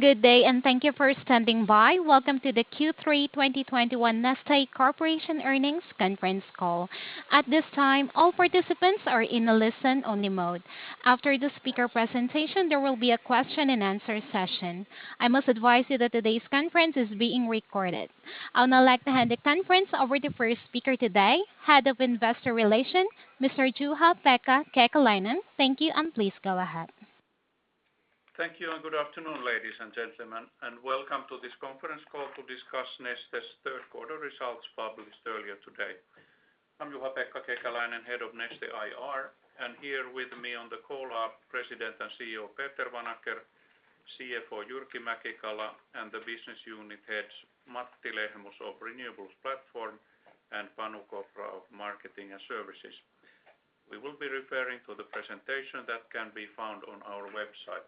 Good day, thank you for standing by. Welcome to the Q3 2021 Neste Corporation earnings conference call. At this time, all participants are in a listen-only mode. After the speaker presentation, there will be a question and answer session. I must advise you that today's conference is being recorded. I would now like to hand the conference over to first speaker today, Head of Investor Relations, Mr. Juha-Pekka Kekäläinen. Thank you, and please go ahead. Thank you, and good afternoon, ladies and gentlemen, and welcome to this conference call to discuss Neste's third quarter results published earlier today. I'm Juha-Pekka Kekäläinen, Head of Neste IR, and here with me on the call are President and CEO, Peter Vanacker; CFO, Jyrki Mäki-Kala; and the business unit heads, Matti Lehmus of Renewables Platform, and Panu Kopra Head of Marketing & Services. We will be referring to the presentation that can be found on our website.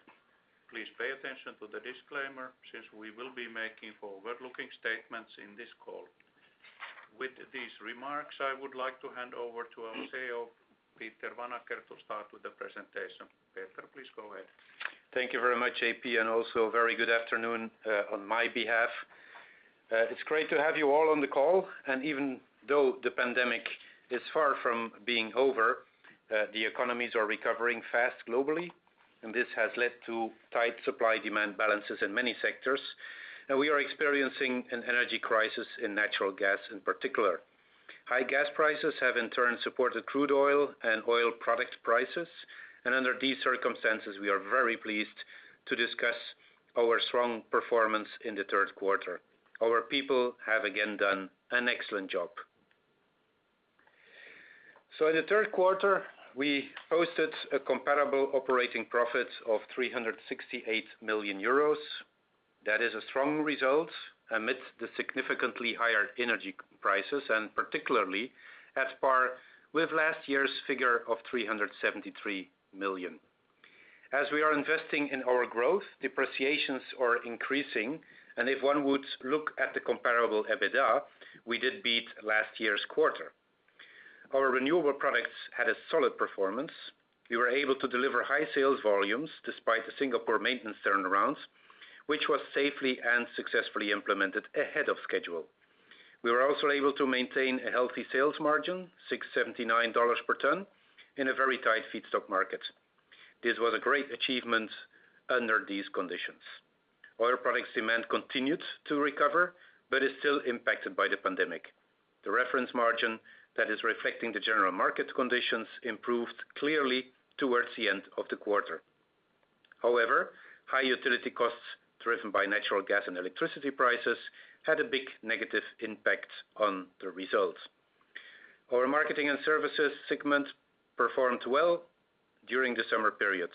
Please pay attention to the disclaimer since we will be making forward-looking statements in this call. With these remarks, I would like to hand over to our CEO, Peter Vanacker, to start with the presentation. Peter, please go ahead. Thank you very much, J.P., and also very good afternoon on my behalf. It's great to have you all on the call. Even though the pandemic is far from being over, the economies are recovering fast globally, and this has led to tight supply-demand balances in many sectors. Now we are experiencing an energy crisis in natural gas in particular. High gas prices have in turn supported crude oil and oil product prices. Under these circumstances, we are very pleased to discuss our strong performance in the third quarter. Our people have again done an excellent job. In the third quarter, we posted a comparable operating profit of 368 million euros. That is a strong result amidst the significantly higher energy prices, and particularly on par with last year's figure of 373 million. As we are investing in our growth, depreciations are increasing, and if one would look at the comparable EBITDA, we did beat last year's quarter. Our renewable products had a solid performance. We were able to deliver high sales volumes despite the Singapore maintenance turnarounds, which was safely and successfully implemented ahead of schedule. We were also able to maintain a healthy sales margin, $679 per ton, in a very tight feedstock market. This was a great achievement under these conditions. Oil products demand continued to recover, but is still impacted by the pandemic. The reference margin that is reflecting the general market conditions improved clearly towards the end of the quarter. However, high utility costs driven by natural gas and electricity prices had a big negative impact on the results. Our Marketing & Services segment performed well during the summer period.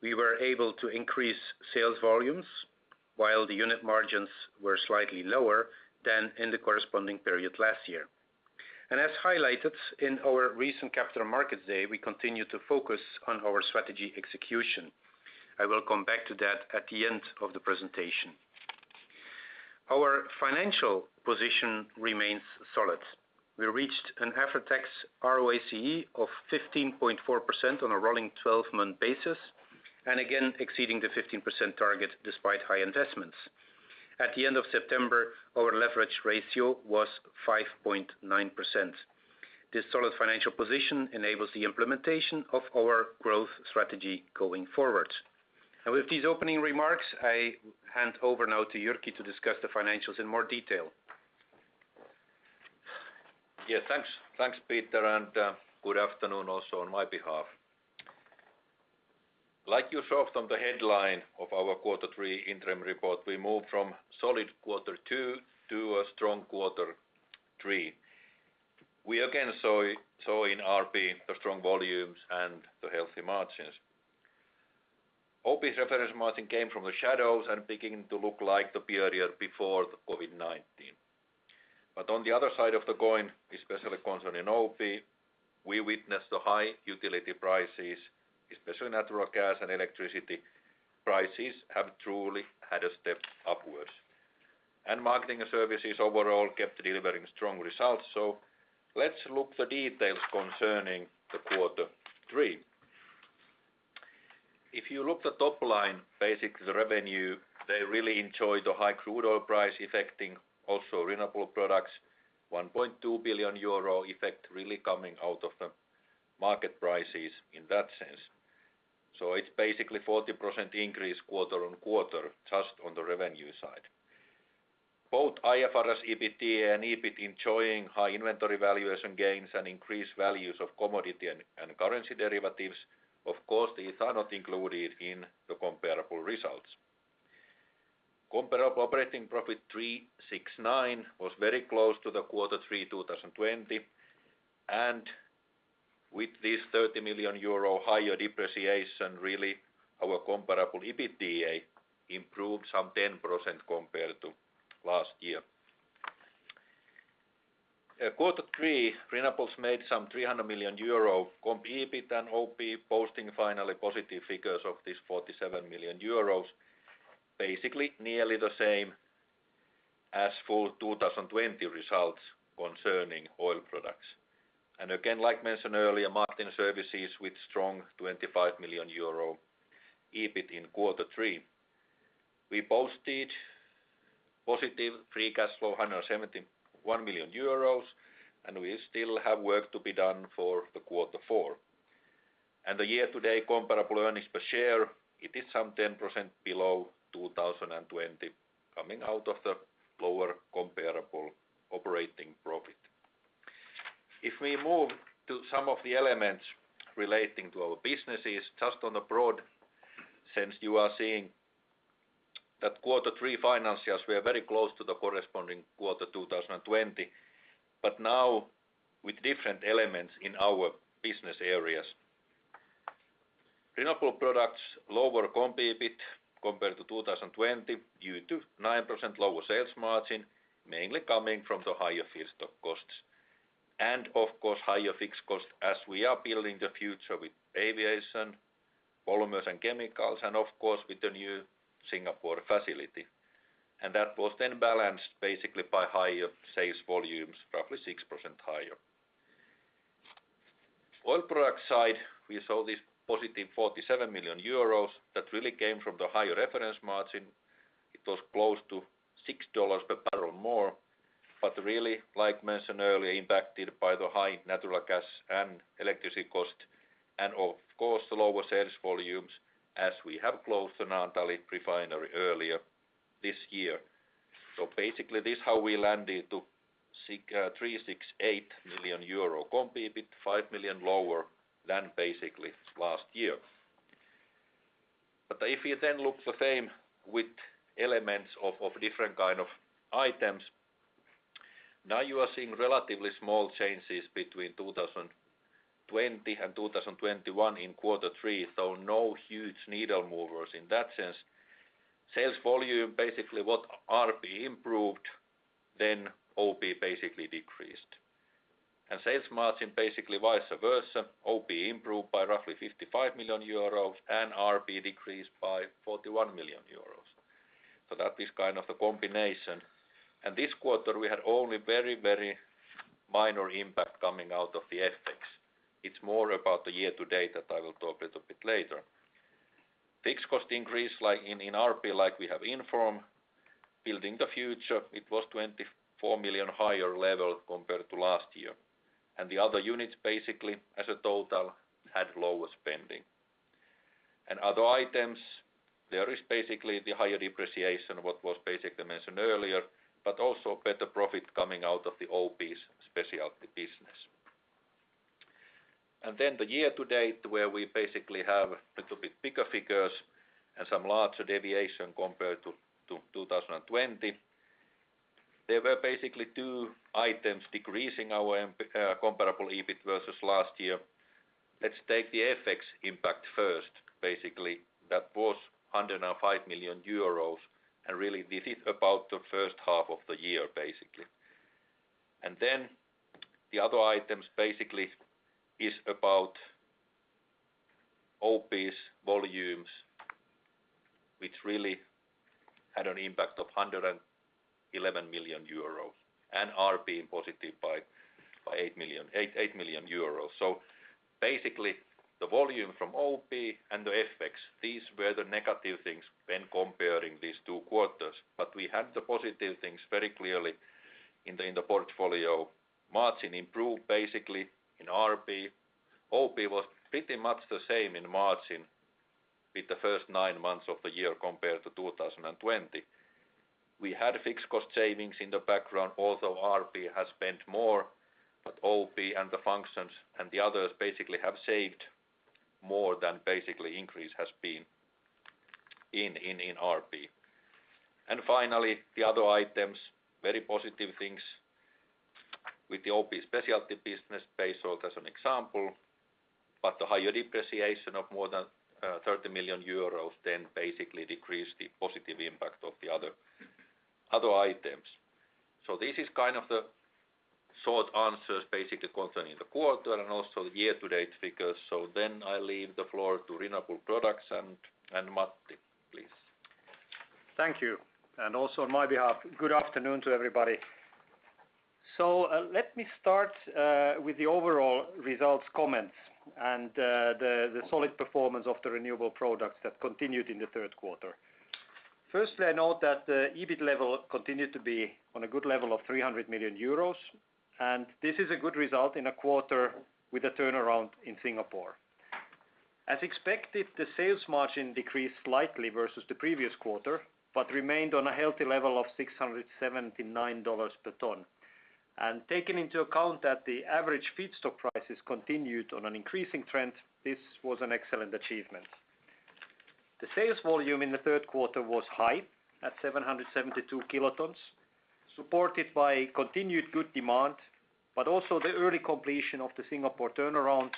We were able to increase sales volumes while the unit margins were slightly lower than in the corresponding period last year. As highlighted in our recent Capital Markets Day, we continue to focus on our strategy execution. I will come back to that at the end of the presentation. Our financial position remains solid. We reached an after-tax ROACE of 15.4% on a rolling 12-month basis, and again, exceeding the 15% target despite high investments. At the end of September, our leverage ratio was 5.9%. This solid financial position enables the implementation of our growth strategy going forward. With these opening remarks, I hand over now to Jyrki to discuss the financials in more detail. Yeah, thanks. Thanks, Peter, and good afternoon also on my behalf. Like you saw from the headline of our quarter three interim report, we moved from solid quarter two to a strong quarter three. We again saw in RP the strong volumes and the healthy margins. OP's reference margin came from the shadows and beginning to look like the period before the COVID-19. But on the other side of the coin, especially concerning OP, we witnessed the high utility prices, especially natural gas and electricity prices have truly had a step upwards. Marketing & Services overall kept delivering strong results. Let's look the details concerning the quarter three. If you look the top line, basically the revenue, they really enjoy the high crude oil price affecting also renewable products, 1.2 billion euro effect really coming out of the market prices in that sense. It's basically 40% increase quarter-on-quarter just on the revenue side. Both IFRS, EBITDA, and EBIT enjoying high inventory valuation gains and increased values of commodity and currency derivatives. Of course, these are not included in the comparable results. Comparable operating profit 369 was very close to the quarter three, 2020. With this 30 million euro higher depreciation, really our comparable EBITDA improved some 10% compared to last year. Quarter three, renewables made some 300 million euro compared to OP posting finally positive figures of this 47 million euros Urals, basically nearly the same as for 2020 results concerning oil products. Again, like mentioned earlier, Marketing & Services with strong 25 million euro EBIT in quarter three. We posted positive free cash flow, 171 million euros, and we still have work to be done for quarter four. The year-to-date comparable earnings per share, it is some 10% below 2020, coming out of the lower comparable operating profit. If we move to some of the elements relating to our businesses, just on a broad sense, you are seeing that quarter three financials, we are very close to the corresponding quarter 2020, but now with different elements in our business areas. Renewable Products, lower Comparable EBIT compared to 2020 due to 9% lower sales margin, mainly coming from the higher feedstock costs. Of course, higher fixed costs as we are building the future with aviation, polymers and chemicals, and of course, with the new Singapore facility. That was then balanced basically by higher sales volumes, roughly 6% higher. Oil product side, we saw this positive 47 million euros Urals that really came from the higher reference margin. It was close to $6 per barrel more, but really, like mentioned earlier, impacted by the high natural gas and electricity cost, and of course, the lower sales volumes as we have closed the Naantali refinery earlier this year. This is how we landed to 368 million euro Comparable EBIT, 5 million lower than basically last year. If you then look the same with elements of different kind of items, now you are seeing relatively small changes between 2020 and 2021 in quarter three, so no huge needle movers in that sense. Sales volume, basically, what RP improved, then OP basically decreased. Sales margin, basically vice versa, OP improved by roughly 55 million euros Urals and RP decreased by 41 million euros Urals. That is kind of the combination. This quarter, we had only very, very minor impact coming out of the FX. It's more about the year-to-date that I will talk a little bit later. Fixed cost increase like in RP, like we have informed, building the future, it was 24 million higher level compared to last year. The other units basically, as a total, had lower spending. Other items, there is basically the higher depreciation, what was basically mentioned earlier, but also better profit coming out of the OP's specialty business. The year to date, where we basically have a little bit bigger figures and some larger deviation compared to 2020, there were basically two items decreasing our comparable EBIT versus last year. Let's take the FX impact first. Basically, that was 105 million euros, and really this is about the first half of the year, basically. The other items basically is about OP's volumes, which really had an impact of 111 million euro and are being +8 million euros. The volume from OP and the FX, these were the negative things when comparing these two quarters. We had the positive things very clearly in the portfolio. Margin improved basically in RP. OP was pretty much the same in margin with the first nine months of the year compared to 2020. We had fixed cost savings in the background, although RP has spent more, but OP and the functions and the others basically have saved more than basically increase has been in RP. Finally, the other items, very positive things with the OP specialty business, base oil as an example, but the higher depreciation of more than 30 million euros then basically decreased the positive impact of the other items. This is kind of the short answers basically concerning the quarter and also the year-to-date figures. I leave the floor to Renewables Platform and Matti, please. Thank you. Also on my behalf, good afternoon to everybody. Let me start with the overall results comments and the solid performance of the renewable products that continued in the third quarter. Firstly, I note that the EBIT level continued to be on a good level of 300 million euros, and this is a good result in a quarter with a turnaround in Singapore. As expected, the sales margin decreased slightly versus the previous quarter, but remained on a healthy level of $679 per ton. Taking into account that the average feedstock prices continued on an increasing trend, this was an excellent achievement. The sales volume in the third quarter was high at 772 kilotons, supported by continued good demand, but also the early completion of the Singapore turnaround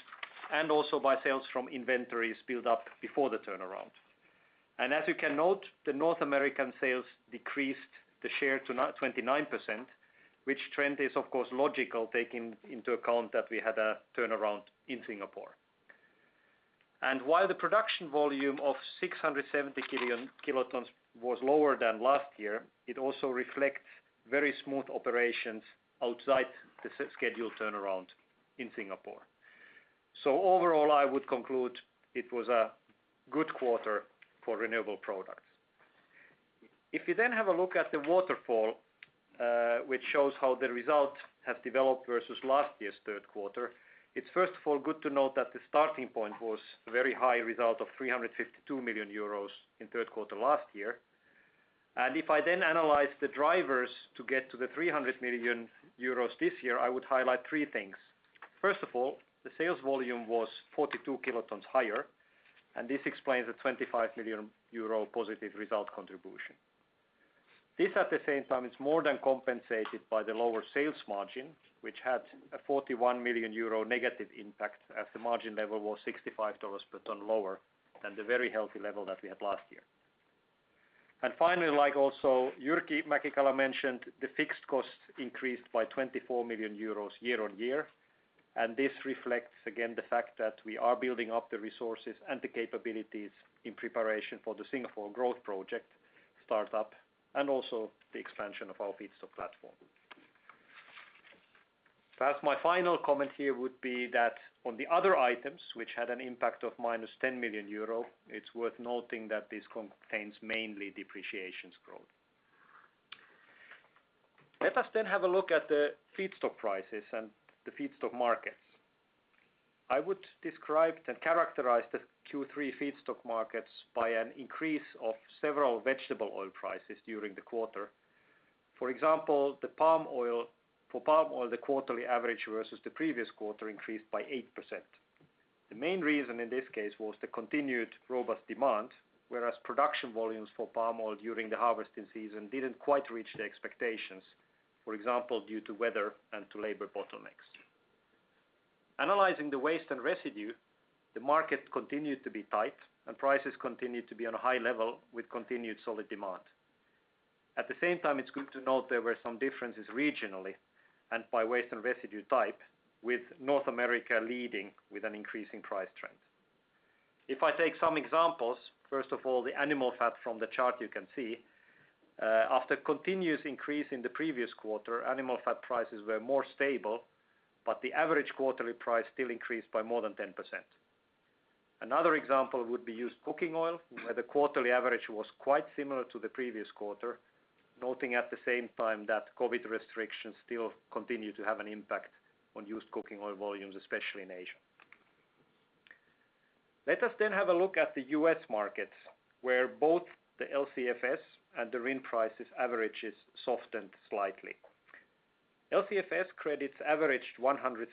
and also by sales from inventories built up before the turnaround. As you can note, the North American sales decreased the share to 29%, which trend is of course logical taking into account that we had a turnaround in Singapore. While the production volume of 670 kilotons was lower than last year, it also reflects very smooth operations outside the scheduled turnaround in Singapore. Overall, I would conclude it was a good quarter for renewable products. If you then have a look at the waterfall, which shows how the results have developed versus last year's third quarter, it's first of all good to note that the starting point was a very high result of 352 million euros in third quarter last year. If I then analyze the drivers to get to the 300 million euros this year, I would highlight three things. First of all, the sales volume was 42 kilotons higher, and this explains the 25 million euro positive result contribution. This, at the same time, is more than compensated by the lower sales margin, which had a 41 million euro negative impact, as the margin level was $65 per ton lower than the very healthy level that we had last year. Finally, like also Jyrki Mäki-Kala mentioned, the fixed costs increased by 24 million euros year-on-year, and this reflects again the fact that we are building up the resources and the capabilities in preparation for the Singapore growth project startup and also the expansion of our feedstock platform. Perhaps my final comment here would be that on the other items, which had an impact of -10 million euro, it's worth noting that this contains mainly depreciations growth. Let us have a look at the feedstock prices and the feedstock markets. I would describe and characterize the Q3 feedstock markets by an increase of several vegetable oil prices during the quarter. For example, for palm oil, the quarterly average versus the previous quarter increased by 8%. The main reason in this case was the continued robust demand, whereas production volumes for palm oil during the harvesting season didn't quite reach the expectations, for example, due to weather and to labor bottlenecks. Analyzing the waste and residue, the market continued to be tight, and prices continued to be on a high level with continued solid demand. At the same time, it's good to note there were some differences regionally and by waste and residue type, with North America leading with an increasing price trend. If I take some examples, first of all, the animal fat from the chart you can see, after continuous increase in the previous quarter, animal fat prices were more stable, but the average quarterly price still increased by more than 10%. Another example would be used cooking oil, where the quarterly average was quite similar to the previous quarter, noting at the same time that COVID restrictions still continue to have an impact on used cooking oil volumes, especially in Asia. Let us have a look at the U.S. market, where both the LCFS and the RIN prices average softened slightly. LCFS credits averaged $176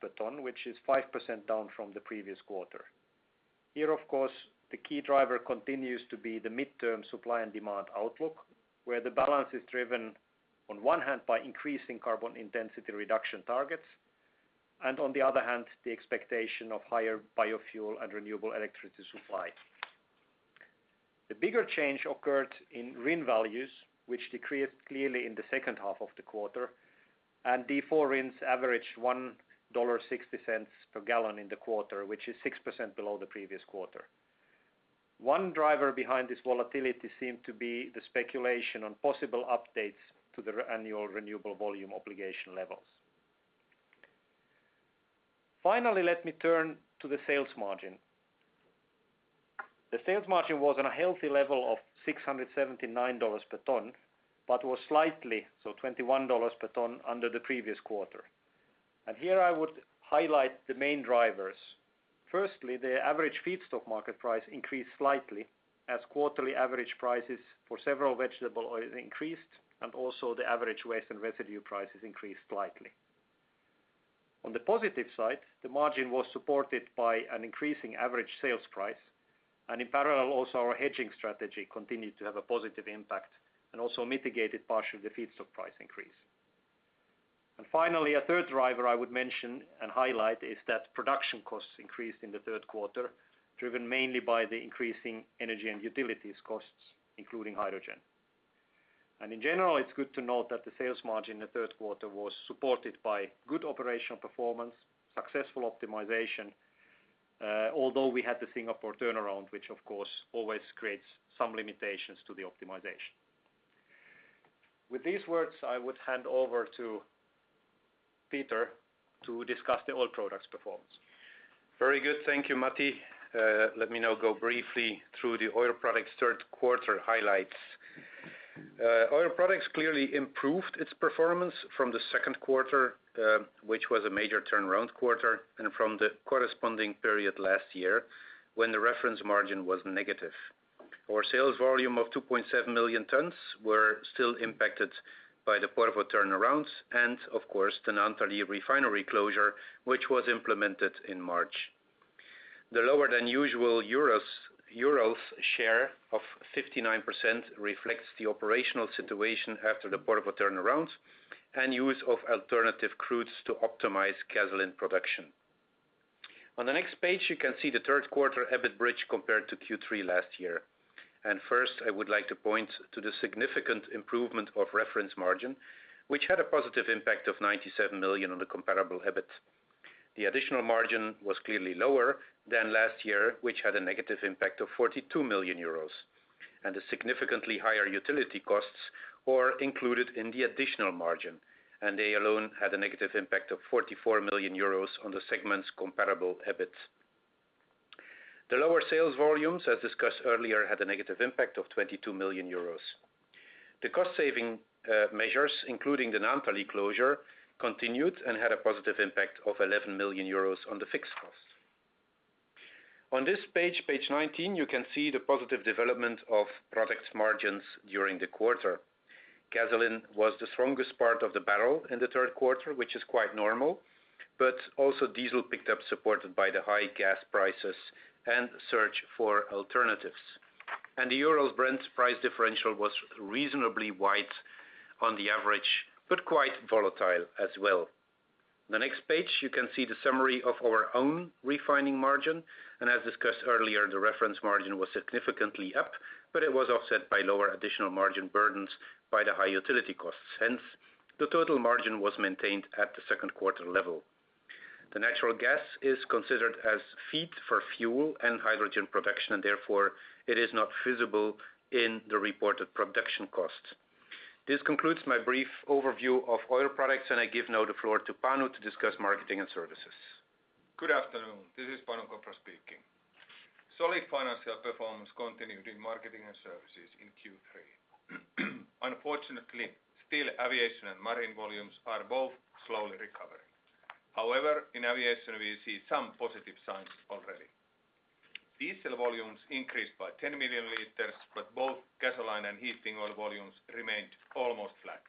per ton, which is 5% down from the previous quarter. Here, of course, the key driver continues to be the medium-term supply and demand outlook, where the balance is driven, on one hand, by increasing carbon intensity reduction targets, and on the other hand, the expectation of higher biofuel and renewable electricity supply. The bigger change occurred in RIN values, which decreased clearly in the second half of the quarter, and D4 RINs averaged $1.60 per gallon in the quarter, which is 6% below the previous quarter. One driver behind this volatility seemed to be the speculation on possible updates to the annual renewable volume obligation levels. Finally, let me turn to the sales margin. The sales margin was on a healthy level of $679 per ton, but was slightly, so $21 per ton, under the previous quarter. Here I would highlight the main drivers. Firstly, the average feedstock market price increased slightly as quarterly average prices for several vegetable oils increased, and also the average waste and residue prices increased slightly. On the positive side, the margin was supported by an increasing average sales price, and in parallel, also our hedging strategy continued to have a positive impact and also mitigated partially the feedstock price increase. Finally, a third driver I would mention and highlight is that production costs increased in the third quarter, driven mainly by the increasing energy and utilities costs, including hydrogen. In general, it's good to note that the sales margin in the third quarter was supported by good operational performance, successful optimization, although we had the Singapore turnaround, which of course always creates some limitations to the optimization. With these words, I would hand over to Peter to discuss the oil products performance. Very good. Thank you, Matti. Let me now go briefly through the oil products third quarter highlights. Oil products clearly improved its performance from the second quarter, which was a major turnaround quarter, and from the corresponding period last year when the reference margin was negative. Our sales volume of 2.7 million tons were still impacted by the Porvoo turnaround and of course, the Naantali Refinery closure, which was implemented in March. The lower than usual renewables share of 59% reflects the operational situation after the Porvoo turnaround and use of alternative crudes to optimize gasoline production. On the next page, you can see the third quarter EBIT bridge compared to Q3 last year. First, I would like to point to the significant improvement of reference margin, which had a positive impact of 97 million on the comparable EBIT. The additional margin was clearly lower than last year, which had a negative impact of 42 million euros, and the significantly higher utility costs were included in the additional margin. They alone had a negative impact of 44 million euros on the segment's Comparable EBIT. The lower sales volumes, as discussed earlier, had a negative impact of EUR 22 million. The cost saving measures, including the Naantali closure, continued and had a positive impact of 11 million euros on the fixed costs. On this page 19, you can see the positive development of product margins during the quarter. Gasoline was the strongest part of the barrel in the third quarter, which is quite normal, but also diesel picked up, supported by the high gas prices and search for alternatives. The Urals-Brent price differential was reasonably wide on average, but quite volatile as well. The next page, you can see the summary of our own refining margin, and as discussed earlier, the reference margin was significantly up, but it was offset by lower additional margins burdened by the high utility costs. Hence, the total margin was maintained at the second quarter level. The natural gas is considered as feed for fuel and hydrogen production, and therefore, it is not visible in the reported production costs. This concludes my brief overview of Oil Products, and I give now the floor to Panu to discuss Marketing & Services. Good afternoon. This is Panu Kopra speaking. Solid financial performance continued in Marketing & Services in Q3. Unfortunately, still aviation and marine volumes are both slowly recovering. However, in aviation, we see some positive signs already. Diesel volumes increased by 10 million liters, but both gasoline and heating oil volumes remained almost flat.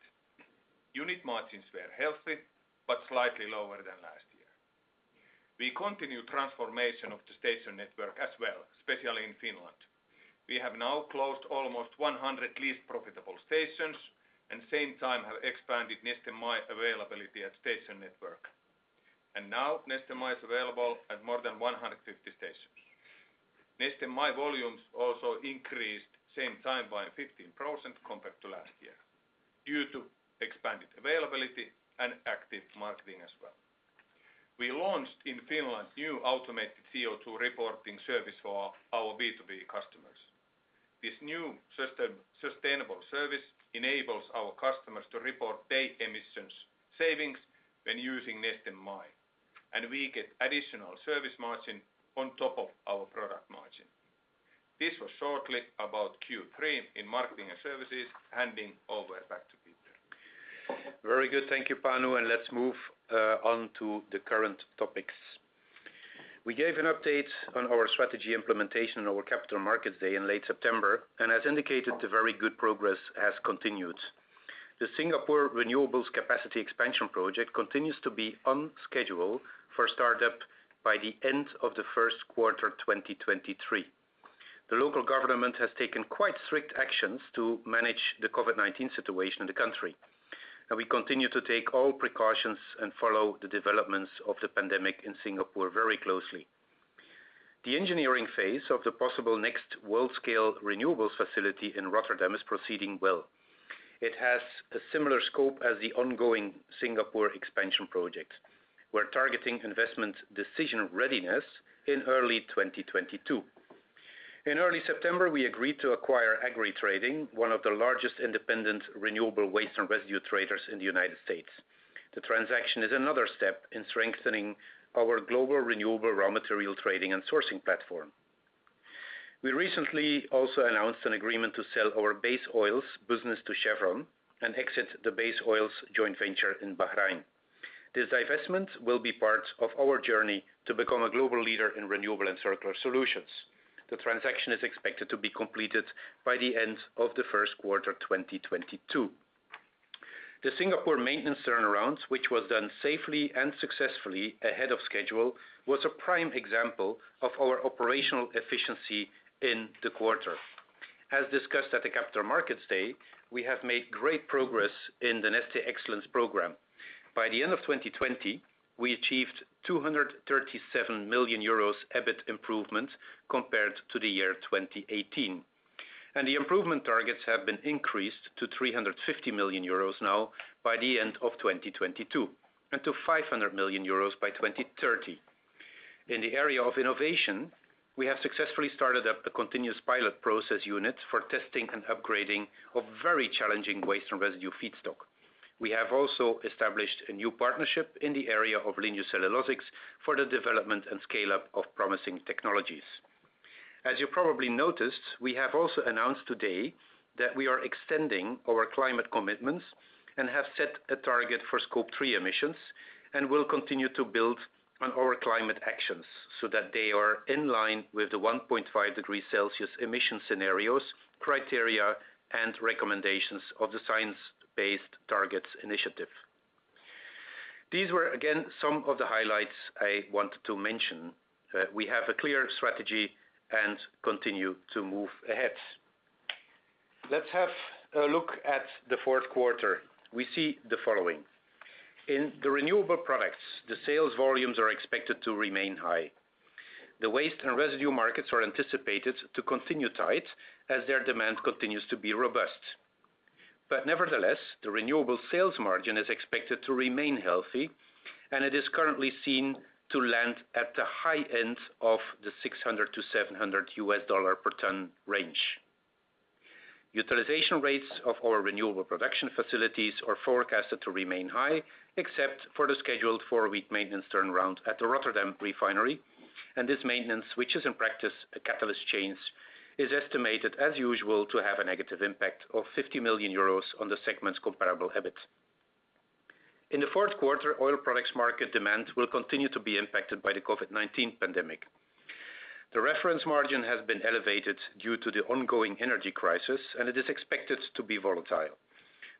Unit margins were healthy but slightly lower than last year. We continue transformation of the station network as well, especially in Finland. We have now closed almost 100 least profitable stations, and at the same time have expanded Neste MY availability at the station network. Now Neste MY is available at more than 150 stations. Neste MY volumes also increased at the same time by 15% compared to last year due to expanded availability and active marketing as well. We launched in Finland a new automated CO2 reporting service for our B2B customers. This new sustainable service enables our customers to report their emissions savings when using Neste MY, and we get additional service margin on top of our product margin. This was shortly about Q3 in Marketing & Services. Handing over back to Peter Vanacker. Very good. Thank you, Panu, and let's move on to the current topics. We gave an update on our strategy implementation on our Capital Markets Day in late September, and as indicated, the very good progress has continued. The Singapore renewables capacity expansion project continues to be on schedule for startup by the end of the first quarter, 2023. The local government has taken quite strict actions to manage the COVID-19 situation in the country, and we continue to take all precautions and follow the developments of the pandemic in Singapore very closely. The engineering phase of the possible next world scale renewables facility in Rotterdam is proceeding well. It has a similar scope as the ongoing Singapore expansion project. We're targeting investment decision readiness in early 2022. In early September, we agreed to acquire Agri Trading, one of the largest independent renewable waste and residue traders in the United States. The transaction is another step in strengthening our global renewable raw material trading and sourcing platform. We recently also announced an agreement to sell our base oils business to Chevron and exit the base oils joint venture in Bahrain. This divestment will be part of our journey to become a global leader in renewable and circular solutions. The transaction is expected to be completed by the end of the first quarter, 2022. The Singapore maintenance turnarounds, which was done safely and successfully ahead of schedule, was a prime example of our operational efficiency in the quarter. As discussed at the Capital Markets Day, we have made great progress in the Neste Excellence program. By the end of 2020, we achieved 237 million euros EBIT improvement compared to the year 2018. The improvement targets have been increased to 350 million euros now by the end of 2022, and to 500 million euros by 2030. In the area of innovation, we have successfully started up a continuous pilot process unit for testing and upgrading of very challenging waste and residue feedstock. We have also established a new partnership in the area of lignocellulosics for the development and scale-up of promising technologies. As you probably noticed, we have also announced today that we are extending our climate commitments and have set a target for Scope 3 emissions and will continue to build on our climate actions so that they are in line with the 1.5 degree Celsius emission scenarios, criteria, and recommendations of the Science Based Targets initiative. These were, again, some of the highlights I wanted to mention. We have a clear strategy and continue to move ahead. Let's have a look at the fourth quarter. We see the following. In the renewable products, the sales volumes are expected to remain high. The waste and residue markets are anticipated to continue tight as their demand continues to be robust. Nevertheless, the renewable sales margin is expected to remain healthy, and it is currently seen to land at the high end of the $600-$700 per ton range. Utilization rates of our renewable production facilities are forecasted to remain high, except for the scheduled four-week maintenance turnaround at the Rotterdam refinery, and this maintenance, which is in practice a catalyst change, is estimated, as usual, to have a negative impact of 50 million euros on the segment's comparable EBIT. In the fourth quarter, oil products market demand will continue to be impacted by the COVID-19 pandemic. The reference margin has been elevated due to the ongoing energy crisis, and it is expected to be volatile.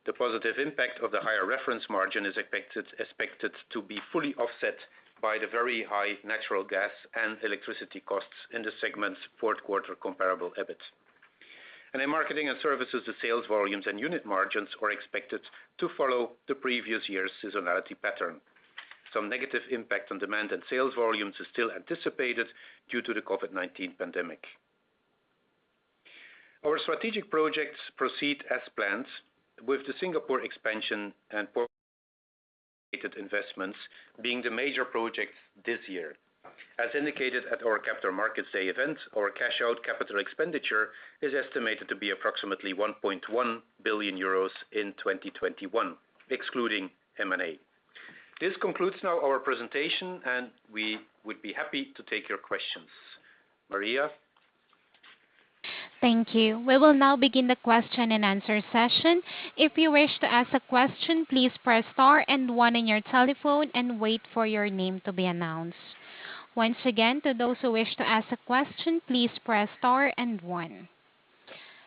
The positive impact of the higher reference margin is expected to be fully offset by the very high natural gas and electricity costs in the segment's fourth quarter Comparable EBIT. In Marketing & Services, the sales volumes and unit margins are expected to follow the previous year's seasonality pattern. Some negative impact on demand and sales volumes is still anticipated due to the COVID-19 pandemic. Our strategic projects proceed as planned, with the Singapore expansion and investments being the major projects this year. As indicated at our Capital Markets Day event, our cash-out capital expenditure is estimated to be approximately 1.1 billion euros in 2021, excluding M&A. This concludes now our presentation, and we would be happy to take your questions. Maria? Thank you. We will now begin the question-and-answer session. If you wish to ask a question, please press star and one on your telephone and wait for your name to be announced. Once again, to those who wish to ask a question, please press star and one.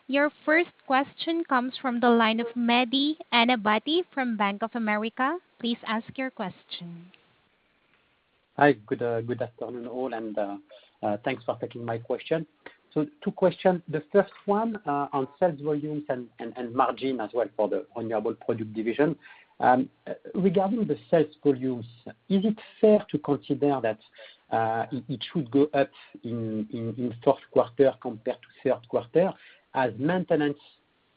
Your first question comes from the line of Mehdi Ennebati from Bank of America. Please ask your question. Hi. Good afternoon, all, and thanks for taking my question. Two questions. The first one on sales volumes and margin as well for the Renewable Products division. Regarding the sales volumes, is it fair to consider that it should go up in fourth quarter compared to third quarter as maintenance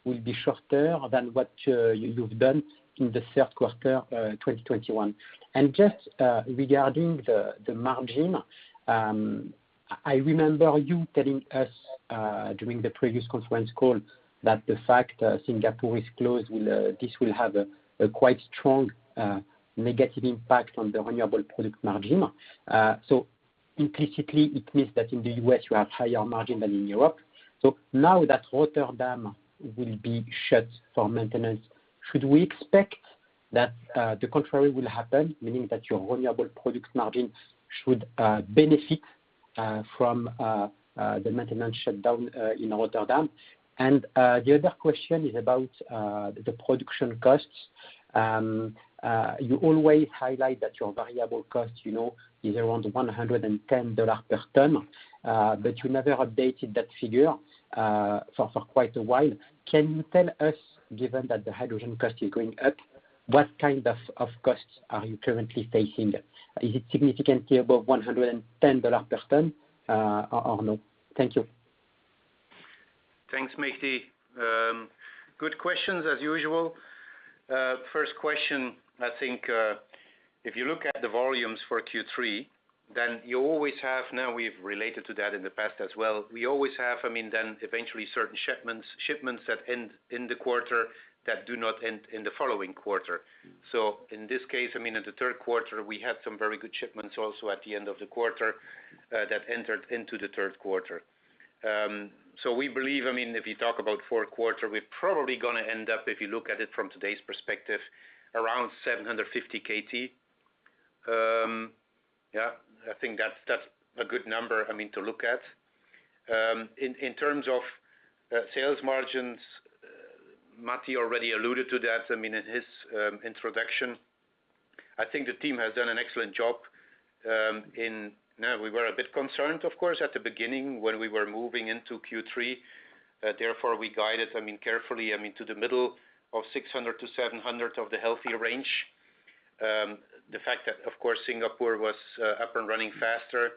will be shorter than what you've done in the third quarter, 2021? Just regarding the margin, I remember you telling us during the previous conference call that the fact Singapore is closed will have a quite strong negative impact on the renewable products margin. Implicitly, it means that in the U.S. you have higher margin than in Europe. Now that Rotterdam will be shut for maintenance, should we expect that the contrary will happen, meaning that your renewable product margin should benefit from the maintenance shutdown in Rotterdam? The other question is about the production costs. You always highlight that your variable cost, you know, is around $110 per ton, but you never updated that figure for quite a while. Can you tell us, given that the hydrogen cost is going up, what kind of costs are you currently facing? Is it significantly above $110 per ton, or no? Thank you. Thanks, Mehdi. Good questions, as usual. First question, I think if you look at the volumes for Q3, then you always have. Now we've related to that in the past as well. We always have, I mean, then eventually certain shipments that end in the quarter that do not end in the following quarter. In this case, I mean, in the third quarter, we had some very good shipments also at the end of the quarter that entered into the third quarter. We believe, I mean, if you talk about the full year, we're probably gonna end up, if you look at it from today's perspective, around 750 KT. Yeah, I think that's a good number, I mean, to look at. In terms of sales margins, Matti already alluded to that, I mean, in his introduction. I think the team has done an excellent job. Now, we were a bit concerned, of course, at the beginning when we were moving into Q3. Therefore, we guided, I mean, carefully, I mean, to the middle of 600-700 of the higher range. The fact that, of course, Singapore was up and running faster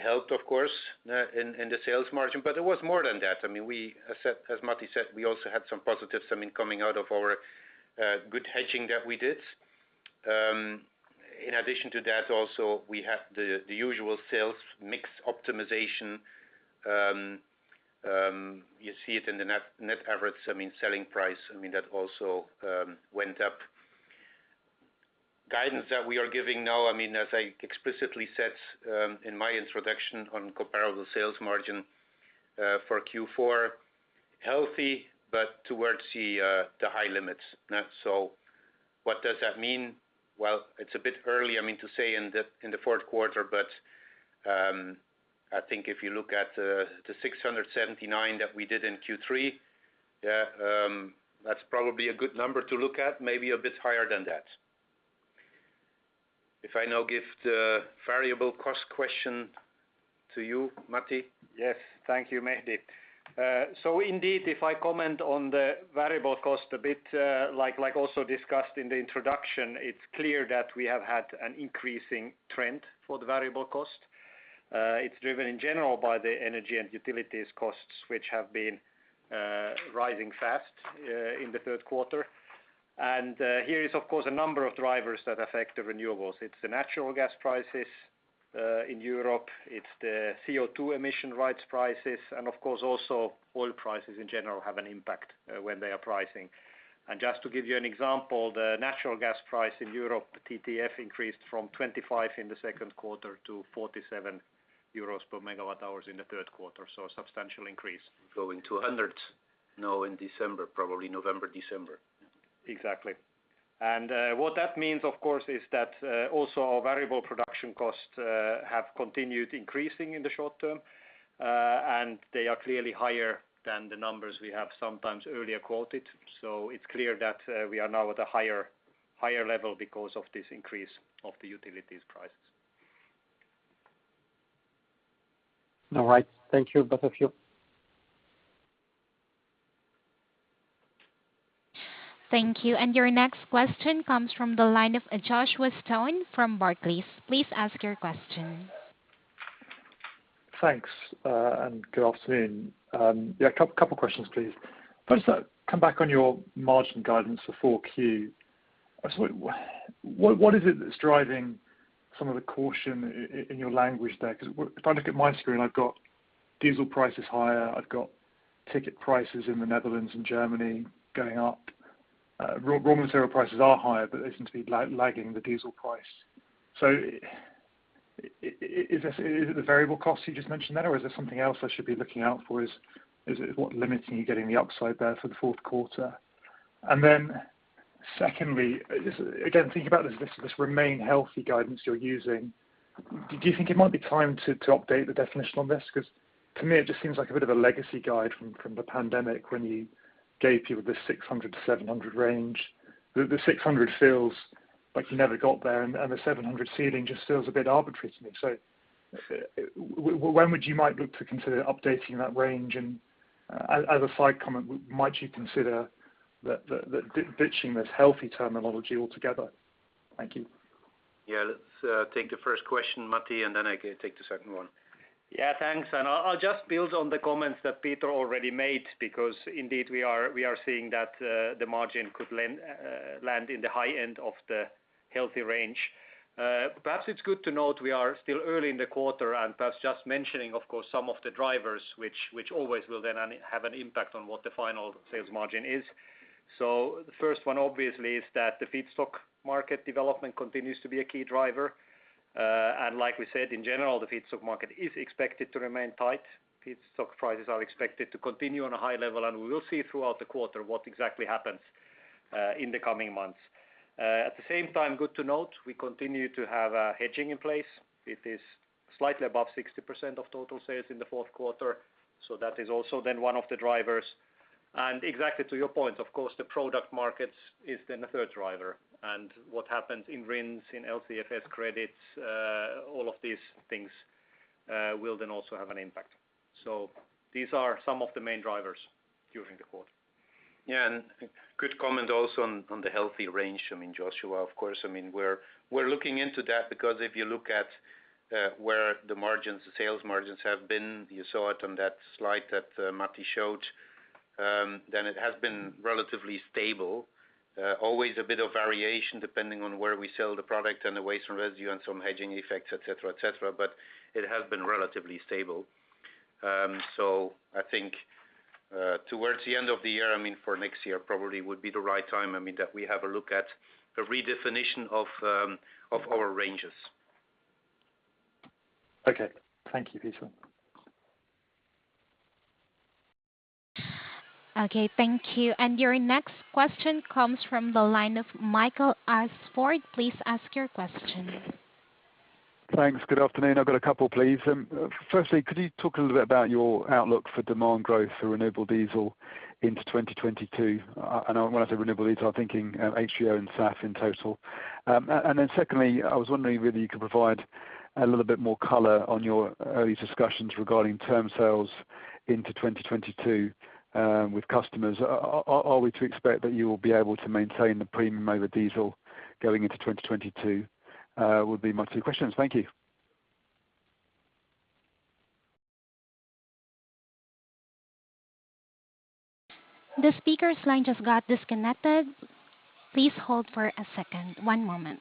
helped, of course, in the sales margin. But it was more than that. I mean, we as said, as Matti said, we also had some positives, I mean, coming out of our good hedging that we did. In addition to that also, we had the usual sales mix optimization. You see it in the net average, I mean, selling price, I mean, that also went up. Guidance that we are giving now, I mean, as I explicitly said, in my introduction on comparable sales margin, for Q4, healthy but towards the high limits. What does that mean? Well, it's a bit early, I mean, to say in the fourth quarter, but I think if you look at the $679 that we did in Q3, yeah, that's probably a good number to look at, maybe a bit higher than that. If I now give the variable cost question to you, Matti. Yes. Thank you, Mehdi. Indeed, if I comment on the variable cost a bit, like also discussed in the introduction, it's clear that we have had an increasing trend for the variable cost. It's driven in general by the energy and utilities costs, which have been rising fast in the third quarter. There is of course a number of drivers that affect the renewables. It's the natural gas prices in Europe, it's the CO2 emission rights prices, and of course also oil prices in general have an impact when they are pricing. Just to give you an example, the natural gas price in Europe, the TTF increased from 25 in the second quarter to 47 euros per MWh in the third quarter. A substantial increase. Going to hundreds now in December, probably November, December. Exactly. What that means, of course, is that also our variable production costs have continued increasing in the short term. They are clearly higher than the numbers we have sometimes earlier quoted. It's clear that we are now at a higher level because of this increase of the utilities prices. All right. Thank you, both of you. Thank you. Your next question comes from the line of Joshua Stone from Barclays. Please ask your question. Thanks and good afternoon. Yeah, a couple questions, please. First, come back on your margin guidance for Q4. So what is it that's driving some of the caution in your language there? 'Cause if I look at my screen, I've got diesel prices higher, I've got ticket prices in the Netherlands and Germany going up. Raw material prices are higher, but they seem to be lagging the diesel price. So is this the variable cost you just mentioned then, or is there something else I should be looking out for? Is it what limits you getting the upside there for the fourth quarter? Secondly, again thinking about this remaining healthy guidance you're using, do you think it might be time to update the definition on this? 'Cause to me it just seems like a bit of a legacy guide from the pandemic when you gave people the 600-700 range. The 600 feels like you never got there, and the 700 ceiling just feels a bit arbitrary to me. When would you might look to consider updating that range? As a side comment, might you consider ditching this healthy terminology altogether? Thank you. Yeah. Let's take the first question, Matti, and then I can take the second one. Yeah, thanks. I'll just build on the comments that Peter already made because indeed we are seeing that the margin could land in the high end of the healthy range. Perhaps it's good to note we are still early in the quarter and perhaps just mentioning, of course, some of the drivers which always will then have an impact on what the final sales margin is. The first one obviously is that the feedstock market development continues to be a key driver. Like we said, in general, the feedstock market is expected to remain tight. Feedstock prices are expected to continue on a high level, and we will see throughout the quarter what exactly happens in the coming months. At the same time, good to note, we continue to have hedging in place. It is slightly above 60% of total sales in the fourth quarter. That is also then one of the drivers. Exactly to your point, of course, the product markets is then the third driver. What happens in RINs, in LCFS credits, all of these things, will then also have an impact. These are some of the main drivers during the quarter. Yeah. Quick comment also on the healthy range. I mean, Joshua, of course, I mean, we're looking into that because if you look at where the margins, the sales margins have been, you saw it on that slide that Matti showed, then it has been relatively stable. Always a bit of variation depending on where we sell the product and the waste and residue and some hedging effects, et cetera, et cetera. It has been relatively stable. I think towards the end of the year, I mean, for next year probably would be the right time, I mean, that we have a look at a redefinition of our ranges. Okay. Thank you, Peter. Okay, thank you. Your next question comes from the line of Michael Alsford. Please ask your question. Thanks. Good afternoon. I've got a couple, please. Firstly, could you talk a little bit about your outlook for demand growth for renewable diesel into 2022? And when I say renewable diesel, I'm thinking HVO and SAF in total. And then secondly, I was wondering whether you could provide a little bit more color on your early discussions regarding term sales into 2022 with customers. Are we to expect that you will be able to maintain the premium over diesel going into 2022? Would be my two questions. Thank you. The speaker's line just got disconnected. Please hold for a second. One moment.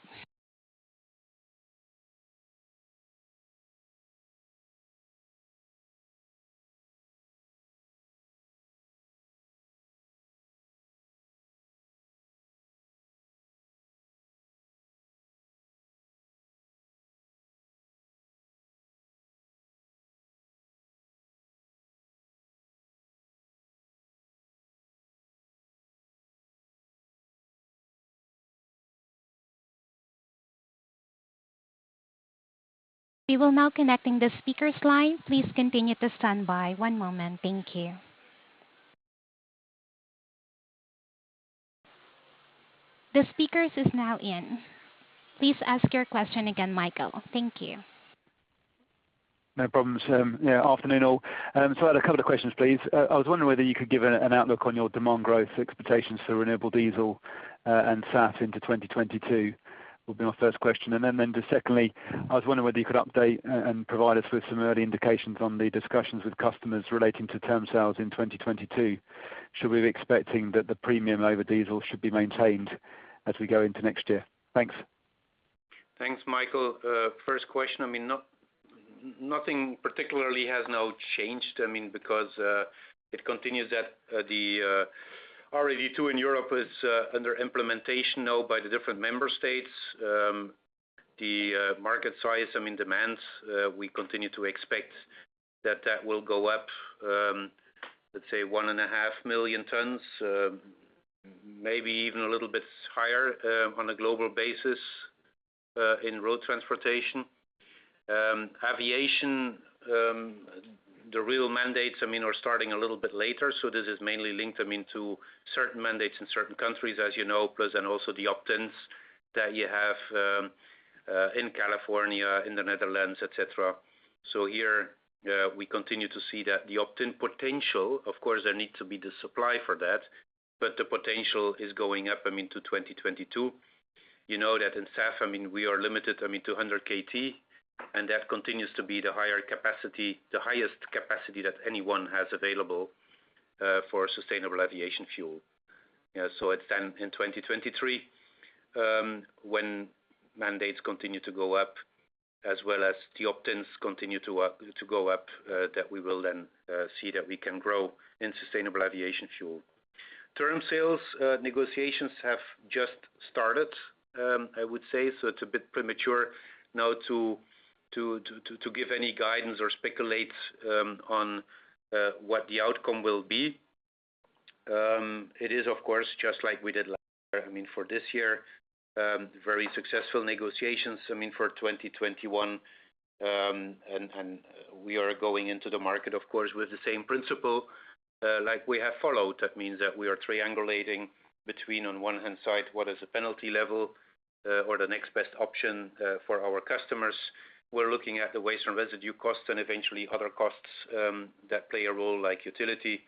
We will now connecting the speaker's line. Please continue to stand by. One moment. Thank you. The speaker is now in. Please ask your question again, Michael. Thank you. No problems. Afternoon, all. I had a couple of questions, please. I was wondering whether you could give an outlook on your demand growth expectations for renewable diesel and SAF into 2022. That would be my first question. Just secondly, I was wondering whether you could update and provide us with some early indications on the discussions with customers relating to term sales in 2022. Should we be expecting that the premium over diesel should be maintained as we go into next year? Thanks. Thanks, Michael. First question, I mean, nothing particularly has now changed. I mean, because it continues that the RED II in Europe is under implementation now by the different member states. The market size, I mean demand, we continue to expect that will go up, let's say 1.5 million tons, maybe even a little bit higher, on a global basis, in road transportation. Aviation, the real mandates, I mean, are starting a little bit later, so this is mainly linked, I mean, to certain mandates in certain countries, as you know, plus then also the opt-ins that you have, in California, in the Netherlands, et cetera. Here, we continue to see that the offtake potential. Of course, there need to be the supply for that, but the potential is going up, I mean, to 2022. You know that in SAF, I mean, we are limited, I mean, to 100 KT, and that continues to be the highest capacity that anyone has available for Sustainable Aviation Fuel. You know, it's then in 2023 when mandates continue to go up as well as the offtakes continue to go up that we will then see that we can grow in Sustainable Aviation Fuel. Term sales negotiations have just started, I would say, so it's a bit premature now to give any guidance or speculate on what the outcome will be. It is of course, just like we did last year, I mean, for this year, very successful negotiations, I mean, for 2021. We are going into the market, of course, with the same principle, like we have followed. That means that we are triangulating between, on one hand side, what is the penalty level, or the next best option, for our customers. We're looking at the waste and residue costs and eventually other costs, that play a role like utility.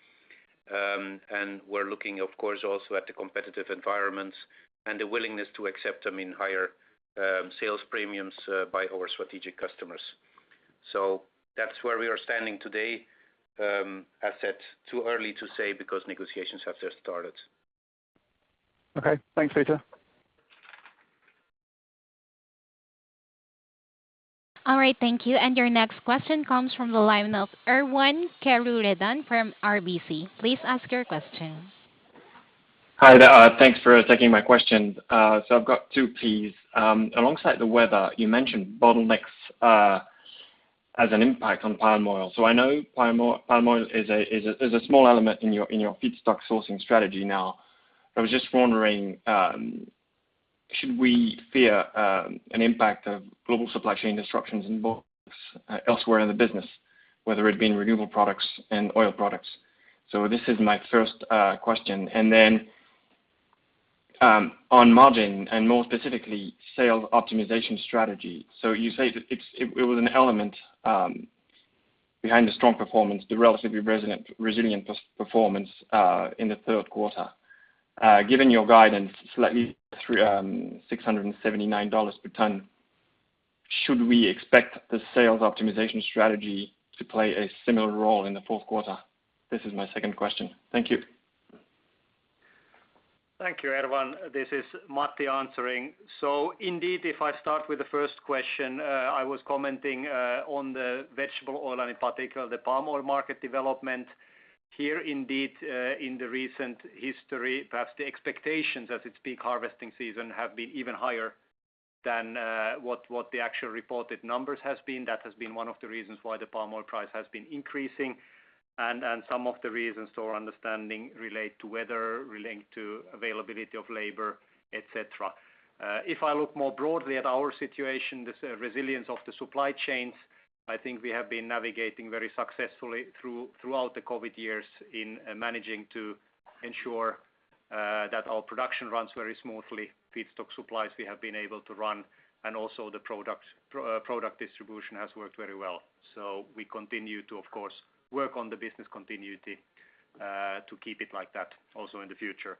We're looking of course also at the competitive environments and the willingness to accept, I mean, higher sales premiums, by our strategic customers. That's where we are standing today. As said, too early to say because negotiations have just started. Okay. Thanks, Peter. All right. Thank you. Your next question comes from the line of Erwan Kerouredan from RBC. Please ask your question. Hi there. Thanks for taking my questions. I've got two, please. Alongside the weather, you mentioned bottlenecks as an impact on palm oil. I know palm oil is a small element in your feedstock sourcing strategy now. I was just wondering, should we fear an impact of global supply chain disruptions in bulk elsewhere in the business, whether it being renewable products and oil products? This is my first question. On margin, and more specifically, sales optimization strategy. You say that it was an element behind the strong performance, the relatively resilient performance in the third quarter. Given your guidance, slightly above $679 per ton, should we expect the sales optimization strategy to play a similar role in the fourth quarter? This is my second question. Thank you. Thank you, Erwan. This is Matti answering. Indeed, if I start with the first question, I was commenting on the vegetable oil and in particular the palm oil market development. Here, indeed, in the recent history, perhaps the expectations as its peak harvesting season have been even higher than what the actual reported numbers has been. That has been one of the reasons why the palm oil price has been increasing. Some of the reasons to our understanding relate to weather, relate to availability of labor, et cetera. If I look more broadly at our situation, the resilience of the supply chains, I think we have been navigating very successfully through throughout the COVID years in managing to ensure that our production runs very smoothly. Feedstock supplies we have been able to run, and also the products, product distribution has worked very well. We continue to, of course, work on the business continuity to keep it like that also in the future.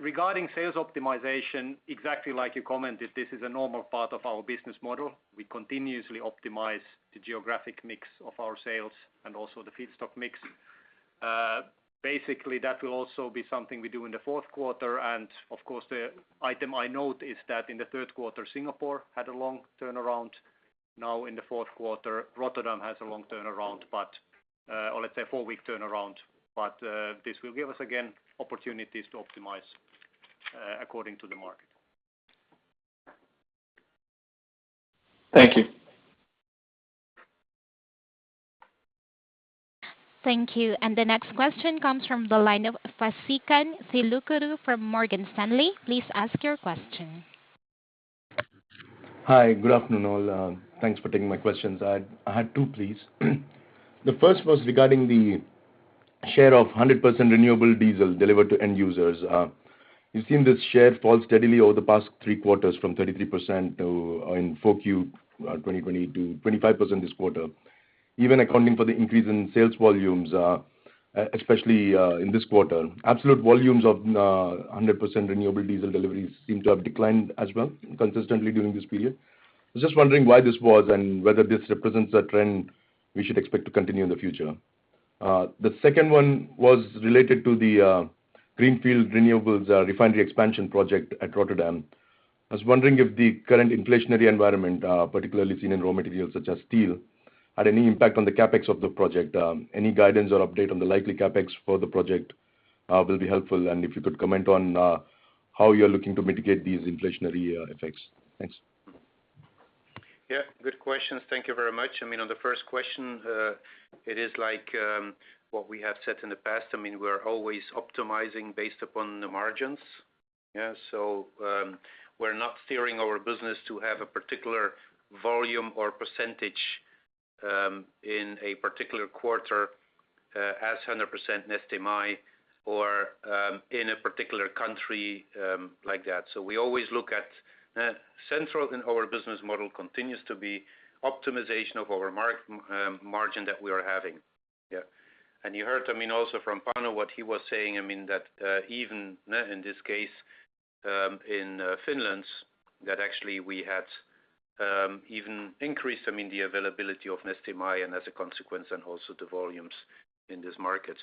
Regarding sales optimization, exactly like you commented, this is a normal part of our business model. We continuously optimize the geographic mix of our sales and also the feedstock mix. Basically, that will also be something we do in the fourth quarter, and of course, the item I note is that in the third quarter, Singapore had a long turnaround. Now in the fourth quarter, Rotterdam has a long turnaround, but or let's say a four-week turnaround. This will give us again opportunities to optimize according to the market. Thank you. Thank you. The next question comes from the line of Sasikanth Chilukuru from Morgan Stanley. Please ask your question. Hi, good afternoon all. Thanks for taking my questions. I had two, please. The first was regarding the share of 100% renewable diesel delivered to end users. You've seen this share fall steadily over the past three quarters from 33% in Q4 2020 to 25% this quarter. Even accounting for the increase in sales volumes, especially in this quarter. Absolute volumes of 100% renewable diesel deliveries seem to have declined as well consistently during this period. I was just wondering why this was and whether this represents a trend we should expect to continue in the future. The second one was related to the Greenfield Renewables refinery expansion project at Rotterdam. I was wondering if the current inflationary environment, particularly seen in raw materials such as steel, had any impact on the CapEx of the project. Any guidance or update on the likely CapEx for the project will be helpful. If you could comment on how you're looking to mitigate these inflationary effects. Thanks. Yeah, good questions. Thank you very much. I mean, on the first question, it is like what we have said in the past. I mean, we're always optimizing based upon the margins. Yeah. We're not steering our business to have a particular volume or percentage in a particular quarter as 100% Neste MY or in a particular country like that. We always look at central to our business model continues to be optimization of our margin that we are having. Yeah. You heard, I mean, also from Panu, what he was saying, I mean that even in this case in Finland, that actually we had even increased, I mean, the availability of Neste MY and as a consequence, and also the volumes in this market.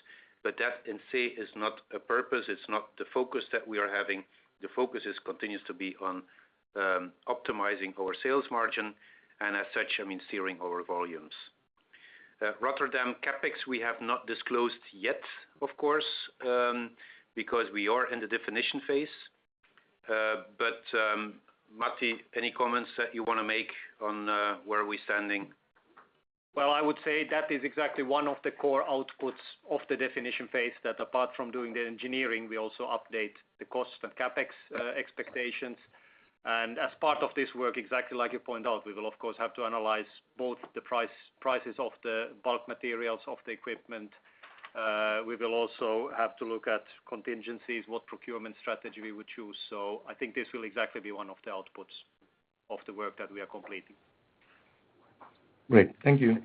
That in itself is not a purpose. It's not the focus that we are having. The focus continues to be on optimizing our sales margin and as such, I mean, steering our volumes. Rotterdam CapEx, we have not disclosed yet, of course, because we are in the definition phase. Matti, any comments that you wanna make on where we are standing? Well, I would say that is exactly one of the core outputs of the definition phase that apart from doing the engineering, we also update the cost of CapEx expectations. And as part of this work, exactly like you point out, we will of course have to analyze both prices of the bulk materials of the equipment. We will also have to look at contingencies, what procurement strategy we would choose. I think this will exactly be one of the outputs of the work that we are completing. Great. Thank you.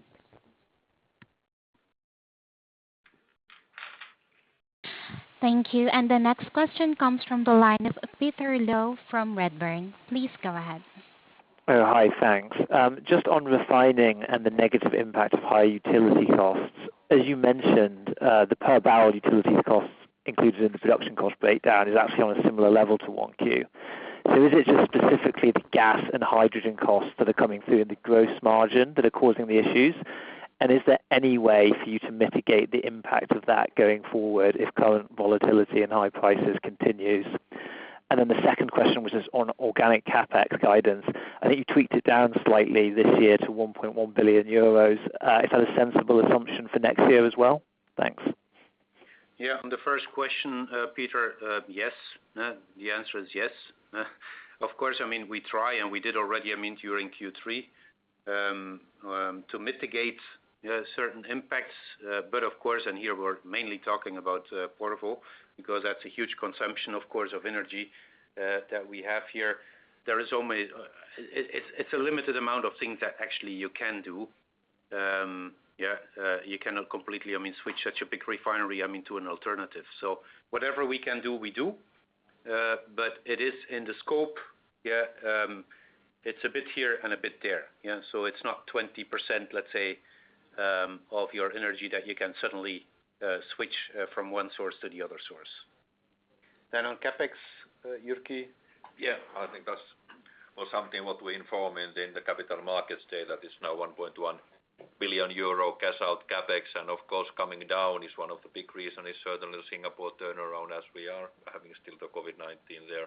Thank you. The next question comes from the line of Peter Low from Redburn. Please go ahead. Oh, hi. Thanks. Just on refining and the negative impact of high utility costs. As you mentioned, the per barrel utilities costs included in the production cost breakdown is actually on a similar level to 1Q. Is it just specifically the gas and hydrogen costs that are coming through in the gross margin that are causing the issues? Is there any way for you to mitigate the impact of that going forward if current volatility and high prices continues? Then the second question, which is on organic CapEx guidance. I think you tweaked it down slightly this year to 1.1 billion euros. Is that a sensible assumption for next year as well? Thanks. Yeah. On the first question, Peter, yes. The answer is yes. Of course, I mean, we try and we did already, I mean, during Q3, to mitigate certain impacts. Of course, here we're mainly talking about Porvoo, because that's a huge consumption, of course, of energy that we have here. There is only a limited amount of things that actually you can do. Yeah, you cannot completely, I mean, switch such a big refinery, I mean, to an alternative. Whatever we can do, we do. But it is in the scope. Yeah, it's a bit here and a bit there. Yeah, it's not 20%, let's say, of your energy that you can suddenly switch from one source to the other source. On CapEx, Jyrki? Yeah, I think that was something we informed in the Capital Markets Day that is now 1.1 billion euro cash-out CapEx. Of course coming down is one of the big reasons, certainly the Singapore turnaround as we are still having COVID-19 there.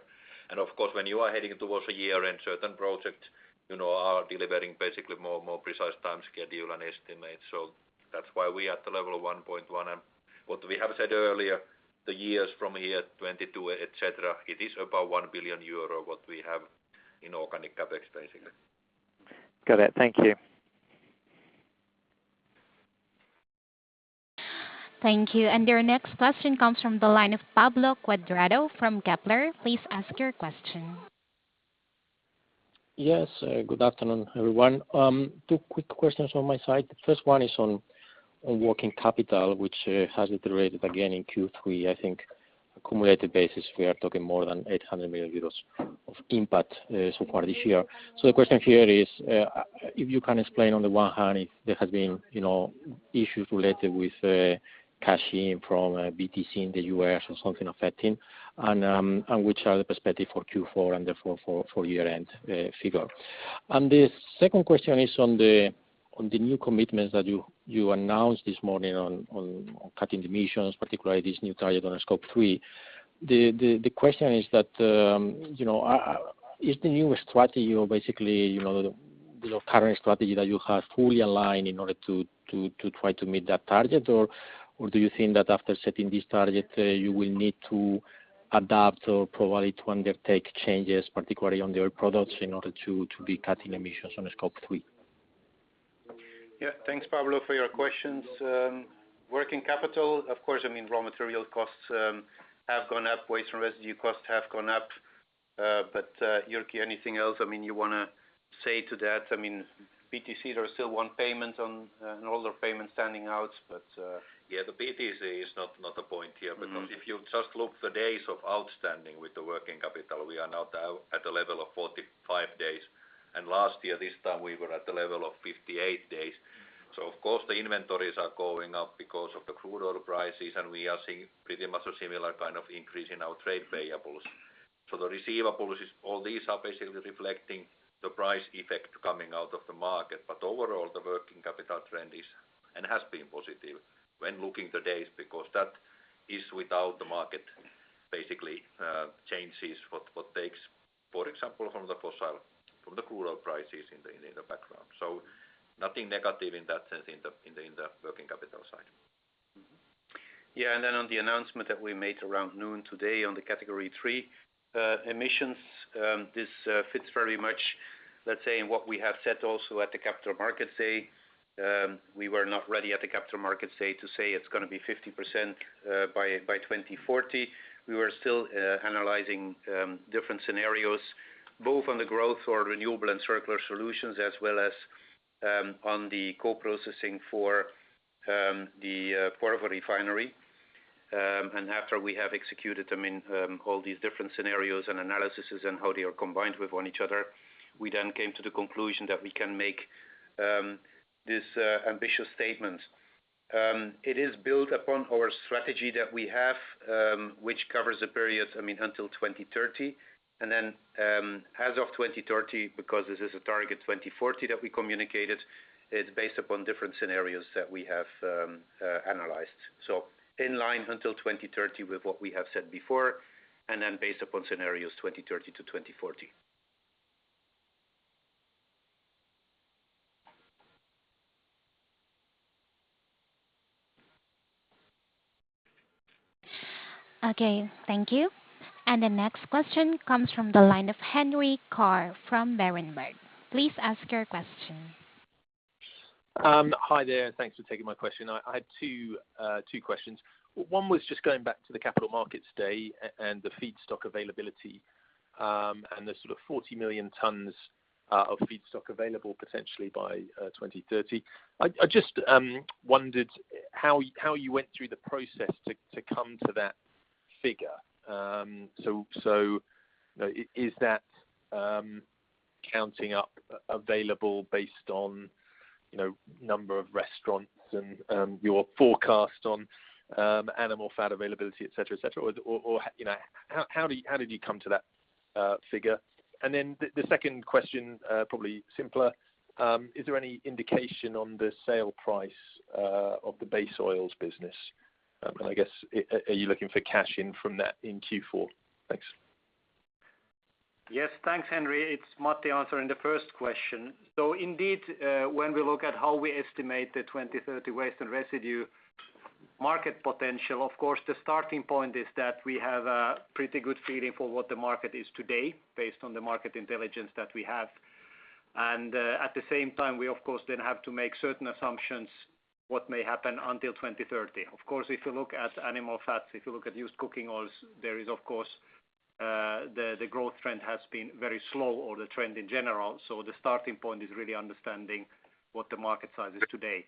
Of course, when you are heading towards a year and certain projects, you know, are delivering basically more and more precise time schedule and estimates. That's why we are at the level of 1.1. What we have said earlier, the years from 2022 etc., it is about 1 billion euro what we have in organic CapEx, basically. Got it. Thank you. Thank you. Your next question comes from the line of Pablo Cuadrado from Kepler. Please ask your question. Yes, good afternoon, everyone. Two quick questions on my side. The first one is on working capital, which has iterated again in Q3. I think cumulative basis, we are talking more than 800 million euros of impact so far this year. The question here is, if you can explain on the one hand, if there has been, you know, issues related with cash-in from BTC in the U.S. or something affecting and which are the perspective for Q4 and therefore for year-end figure. The second question is on the new commitments that you announced this morning on cutting emissions, particularly this new target on Scope 3. The question is that, you know, is the current strategy that you have fully aligned in order to try to meet that target? Or do you think that after setting this target, you will need to adapt or provide to undertake changes, particularly on your products in order to be cutting emissions on a Scope 3? Yeah. Thanks, Pablo, for your questions. Working capital, of course, I mean, raw material costs have gone up. Waste and residue costs have gone up. Jyrki, anything else, I mean, you wanna say to that? I mean, BTC, there is still one payment outstanding. Yeah, the BTC is not a point here. Mm-hmm. Because if you just look the days of outstanding with the working capital, we are now at a level of 45 days. Last year, this time, we were at the level of 58 days. Of course, the inventories are going up because of the crude oil prices, and we are seeing pretty much a similar kind of increase in our trade payables. The receivables is all these are basically reflecting the price effect coming out of the market. Overall, the working capital trend is and has been positive when looking the days, because that is without the market basically changes what takes, for example, from the fossil, from the crude oil prices in the background. Nothing negative in that sense in the working capital side. On the announcement that we made around noon today on the Scope 3 emissions, this fits very much, let's say, in what we have said also at the Capital Markets Day. We were not ready at the Capital Markets Day to say it's gonna be 50% by 2040. We were still analyzing different scenarios, both on the growth for renewable and circular solutions, as well as on the co-processing for the Porvoo refinery. After we have executed, I mean, all these different scenarios and analyses and how they are combined with one another, we then came to the conclusion that we can make this ambitious statement. It is built upon our strategy that we have, which covers the period, I mean, until 2030. As of 2030, because this is a target 2040 that we communicated, it is based upon different scenarios that we have analyzed. In line until 2030 with what we have said before, and then based upon scenarios 2030 to 2040. Okay, thank you. The next question comes from the line of Henry Tarr from Berenberg. Please ask your question. Hi there. Thanks for taking my question. I had two questions. One was just going back to the Capital Markets Day and the feedstock availability, and the sort of 40 million tons of feedstock available potentially by 2030. I just wondered how you went through the process to come to that figure. So, you know, is that counting up available based on, you know, number of restaurants and your forecast on animal fat availability, et cetera, et cetera? Or, you know, how did you come to that figure? And then the second question, probably simpler, is there any indication on the sale price of the base oils business? And I guess, are you looking for cash in from that in Q4? Thanks. Yes. Thanks, Henry. It's Matti answering the first question. Indeed, when we look at how we estimate the 2030 waste and residue market potential, of course, the starting point is that we have a pretty good feeling for what the market is today based on the market intelligence that we have. At the same time, we of course then have to make certain assumptions what may happen until 2030. Of course, if you look at animal fats, if you look at used cooking oils, there is of course, the growth trend has been very slow or the trend in general. The starting point is really understanding what the market size is today.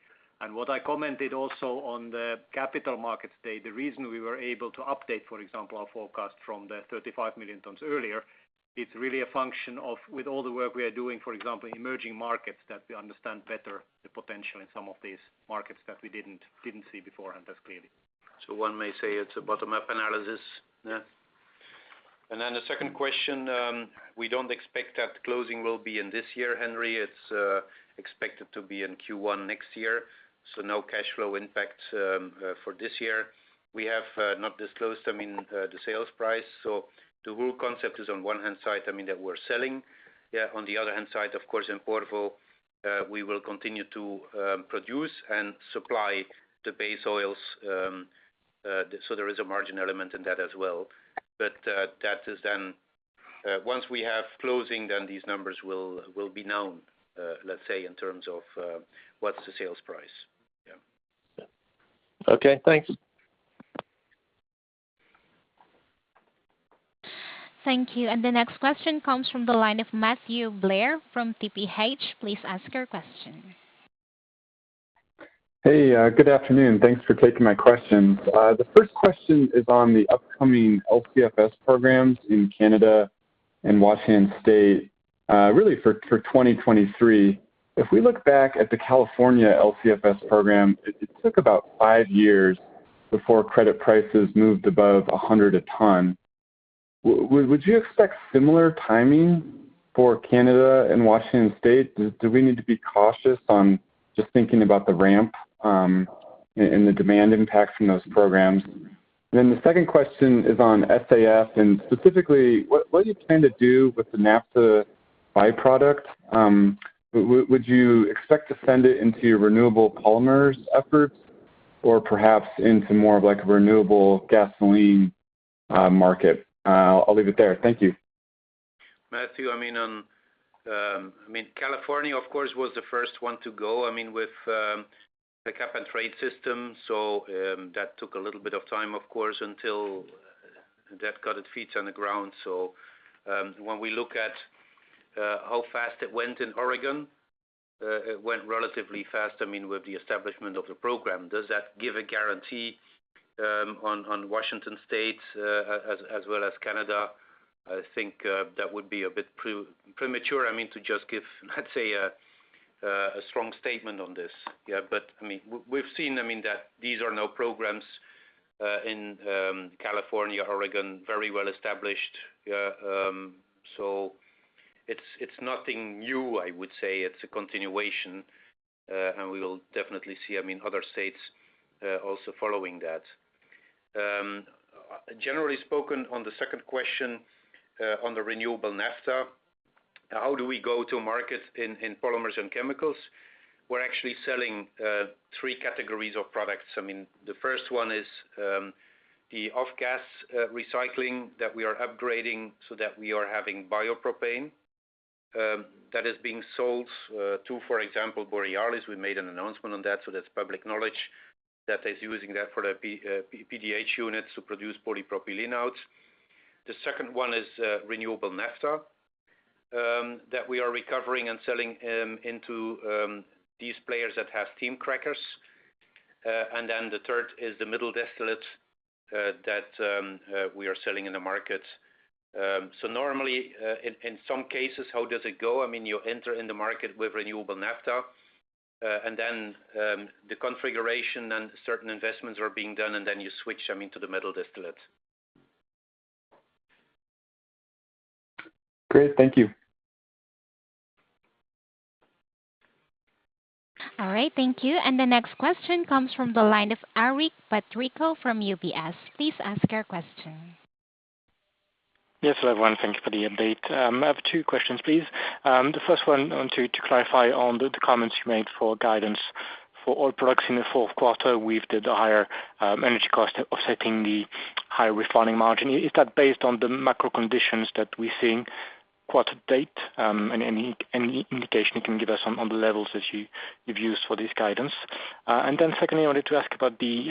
What I commented also on the Capital Markets Day, the reason we were able to update, for example, our forecast from the 35 million tons earlier, it's really a function of, with all the work we are doing, for example, emerging markets, that we understand better the potential in some of these markets that we didn't see beforehand as clearly. One may say it's a bottom-up analysis. Yeah. The second question, we don't expect that closing will be in this year, Henry. It's expected to be in Q1 next year. No cash flow impact for this year. We have not disclosed, I mean, the sales price. The whole concept is on one hand side, I mean, that we're selling. On the other hand side, of course, in Porvoo, we will continue to produce and supply the base oils, so there is a margin element in that as well. That is then once we have closing, then these numbers will be known, let's say, in terms of what's the sales price. Yeah. Okay, thanks. Thank you. The next question comes from the line of Matthew Blair from TPH. Please ask your question. Hey, good afternoon. Thanks for taking my questions. The first question is on the upcoming LCFS programs in Canada and Washington State, really for 2023. If we look back at the California LCFS program, it took about five years before credit prices moved above 100 a ton. Would you expect similar timing for Canada and Washington State? Do we need to be cautious on just thinking about the ramp and the demand impacts from those programs? The second question is on SAF and specifically what do you plan to do with the naphtha byproduct? Would you expect to send it into your renewable polymers efforts or perhaps into more of like a renewable gasoline market? I'll leave it there. Thank you. Matthew, I mean, California of course was the first one to go, I mean, with the cap and trade system. That took a little bit of time of course until that got its feet on the ground. When we look at how fast it went in Oregon, it went relatively fast, I mean, with the establishment of the program. Does that give a guarantee on Washington State as well as Canada? I think that would be a bit premature, I mean, to just give, let's say a strong statement on this. Yeah, but I mean, we've seen, I mean, that these are now programs in California, Oregon, very well established. It's nothing new, I would say. It's a continuation. We will definitely see, I mean, other states also following that. Generally speaking on the second question on the renewable naphtha, how do we go to market in polymers and chemicals? We're actually selling three categories of products. I mean, the first one is the off-gas recycling that we are upgrading so that we are having bio-propane that is being sold to, for example, Borealis. We made an announcement on that, so that's public knowledge. That is using that for the PDH units to produce polypropylene. The second one is renewable naphtha that we are recovering and selling into these players that have steam crackers. The third is the middle distillate that we are selling in the market. Normally, in some cases, how does it go? I mean, you enter in the market with Renewable Naphtha, and then the configuration and certain investments are being done, and then you switch, I mean, to the middle distillates. Great. Thank you. All right. Thank you. The next question comes from the line of Henri Patricot from UBS. Please ask your question. Yes, hello, everyone. Thank you for the update. I have two questions, please. The first one I want to clarify on the comments you made for guidance for oil products in the fourth quarter with the higher energy cost offsetting the high refining margin. Is that based on the macro conditions that we're seeing quarter to date? And any indication you can give us on the levels that you've used for this guidance? And then secondly, I wanted to ask about the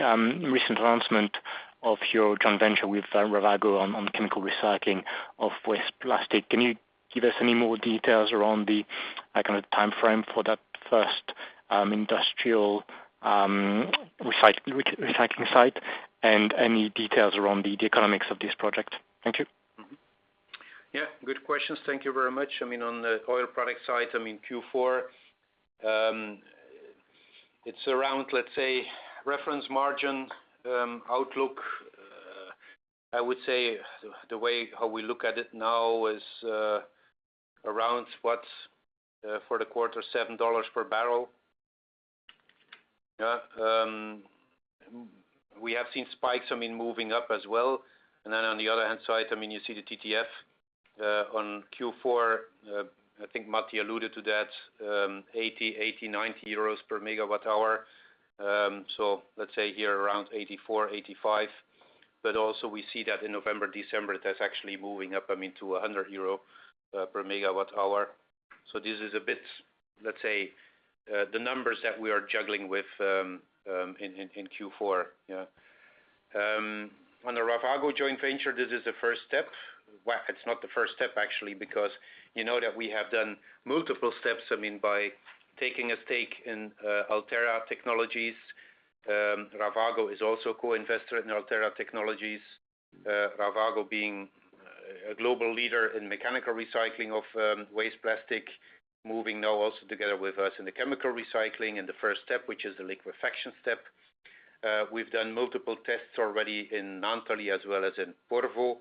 recent announcement of your joint venture with Ravago on chemical recycling of waste plastic. Can you give us any more details around the kind of timeframe for that first industrial recycling site and any details around the economics of this project? Thank you. Mm-hmm. Yeah, good questions. Thank you very much. I mean, on the oil product side, I mean, Q4, it's around, let's say, refining margin outlook. I would say the way how we look at it now is around what's for the quarter, $7 per barrel. Yeah. We have seen spikes, I mean, moving up as well. On the other hand side, I mean, you see the TTF on Q4. I think Matti alluded to that, 80-90 euros per MWh. Let's say here around 84-85 per MWh, but also we see that in November, December, that's actually moving up, I mean, to 100 euro per MWh. This is a bit, let's say, the numbers that we are juggling with in Q4, you know. On the Ravago joint venture, this is the first step. Well, it's not the first step actually, because you know that we have done multiple steps, I mean, by taking a stake in Alterra Energy. Ravago is also co-investor in Alterra Energy. Ravago being a global leader in mechanical recycling of waste plastic, moving now also together with us in the chemical recycling and the first step, which is the liquefaction step. We've done multiple tests already in Naantali as well as in Porvoo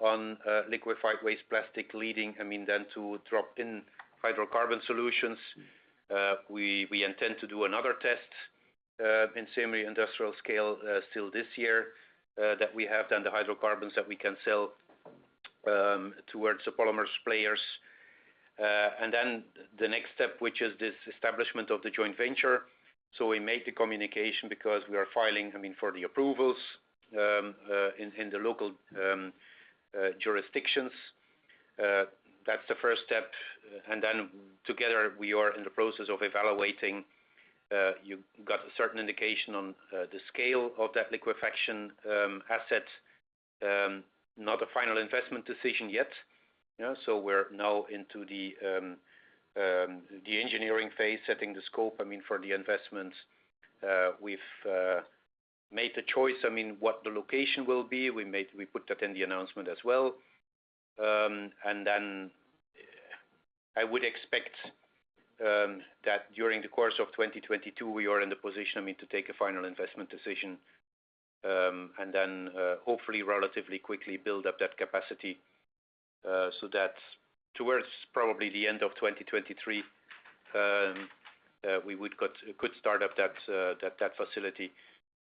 on liquefied waste plastic leading, I mean, then to drop-in hydrocarbon solutions. We intend to do another test in semi-industrial scale still this year, that we have done the hydrocarbons that we can sell towards the polymers players. Then the next step, which is this establishment of the joint venture. We made the communication because we are filing, I mean, for the approvals, in the local jurisdictions. That's the first step. Together, we are in the process of evaluating, you got a certain indication on the scale of that liquefaction asset. Not a final investment decision yet, you know, so we're now into the engineering phase, setting the scope, I mean, for the investment. We've made the choice, I mean, what the location will be. We put that in the announcement as well. I would expect that during the course of 2022, we are in the position, I mean, to take a final investment decision, and then, hopefully relatively quickly build up that capacity. That's towards probably the end of 2023, we could start up that facility.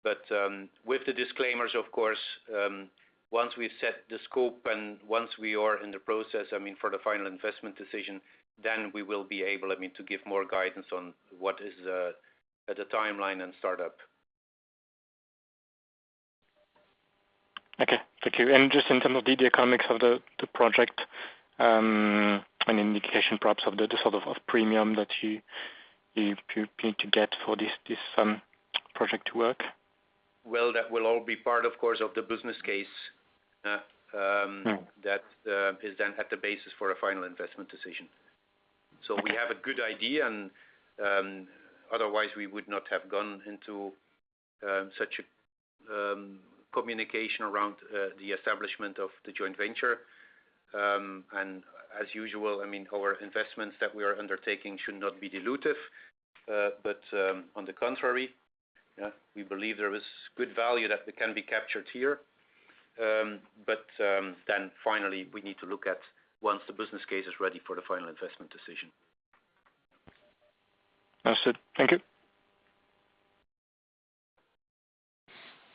With the disclaimers, of course, once we set the scope and once we are in the process, I mean, for the final investment decision, then we will be able, I mean, to give more guidance on what is the timeline and startup. Okay. Thank you. Just in terms of the economics of the project, an indication perhaps of the sort of premium that you need to get for this project to work? Well, that will all be part of course of the business case. Mm. That is then at the basis for a final investment decision. Okay. We have a good idea and, otherwise we would not have gone into such a communication around the establishment of the joint venture. As usual, I mean, our investments that we are undertaking should not be dilutive. On the contrary, yeah, we believe there is good value that can be captured here. Finally, we need to look at once the business case is ready for the final investment decision. Understood. Thank you.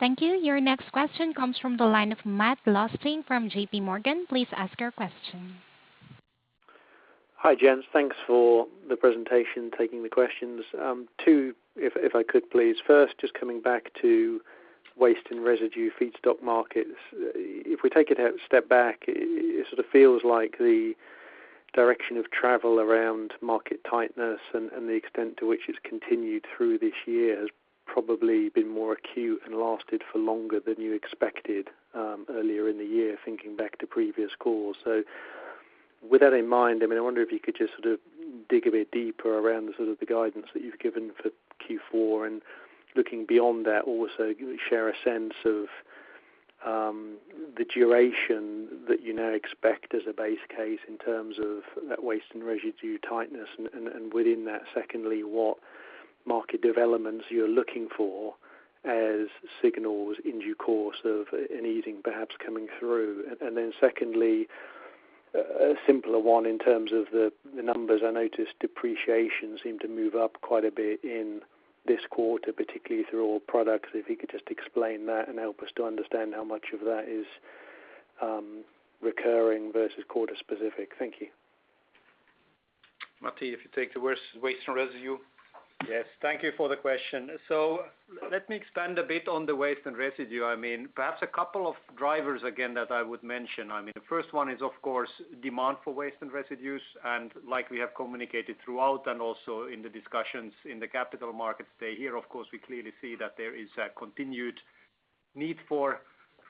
Thank you. Your next question comes from the line of Matt Lofting from JPMorgan. Please ask your question. Hi, gents. Thanks for the presentation, taking the questions. Two, if I could please. First, just coming back to waste and residue feedstock markets. If we take it a step back, it sort of feels like the direction of travel around market tightness and the extent to which it's continued through this year has probably been more acute and lasted for longer than you expected, earlier in the year, thinking back to previous calls. With that in mind, I mean, I wonder if you could just sort of dig a bit deeper around the sort of guidance that you've given for Q4. Looking beyond that, also share a sense of the duration that you now expect as a base case in terms of that waste and residue tightness. Within that, secondly, what market developments you're looking for as signals in due course of an easing perhaps coming through? Secondly, a simpler one in terms of the numbers. I noticed depreciation seemed to move up quite a bit in this quarter, particularly through all products. If you could just explain that and help us to understand how much of that is recurring versus quarter specific. Thank you. Matti, if you take the waste and residue. Yes, thank you for the question. Let me expand a bit on the waste and residue. I mean, perhaps a couple of drivers again that I would mention. I mean, the first one is of course demand for waste and residues, and like we have communicated throughout and also in the discussions in the Capital Markets Day here, of course we clearly see that there is a continued need for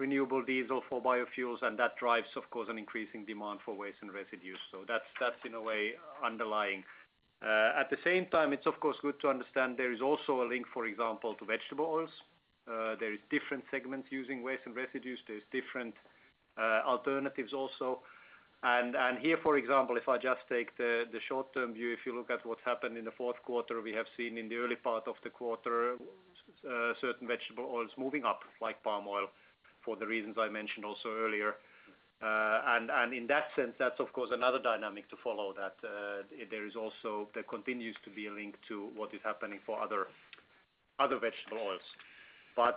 Renewable Diesel, for biofuels, and that drives, of course, an increasing demand for waste and residues. That's in a way underlying. At the same time, it's of course good to understand there is also a link, for example, to vegetable oils. There is different segments using waste and residues. There's different alternatives also. Here, for example, if I just take the short-term view. If you look at what happened in the fourth quarter, we have seen in the early part of the quarter, certain vegetable oils moving up, like palm oil, for the reasons I mentioned also earlier. And in that sense, that's of course another dynamic to follow that, there is also, there continues to be a link to what is happening for other vegetable oils.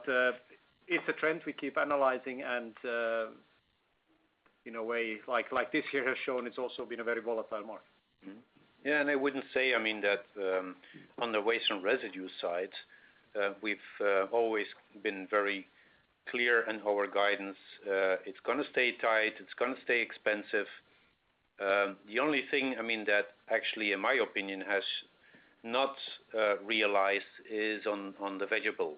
It's a trend we keep analyzing and, in a way, like this year has shown, it's also been a very volatile market. Yeah, I wouldn't say, I mean, that on the waste and residue side we've always been very clear in our guidance. It's gonna stay tight. It's gonna stay expensive. The only thing, I mean, that actually in my opinion has not realized is on the vegetable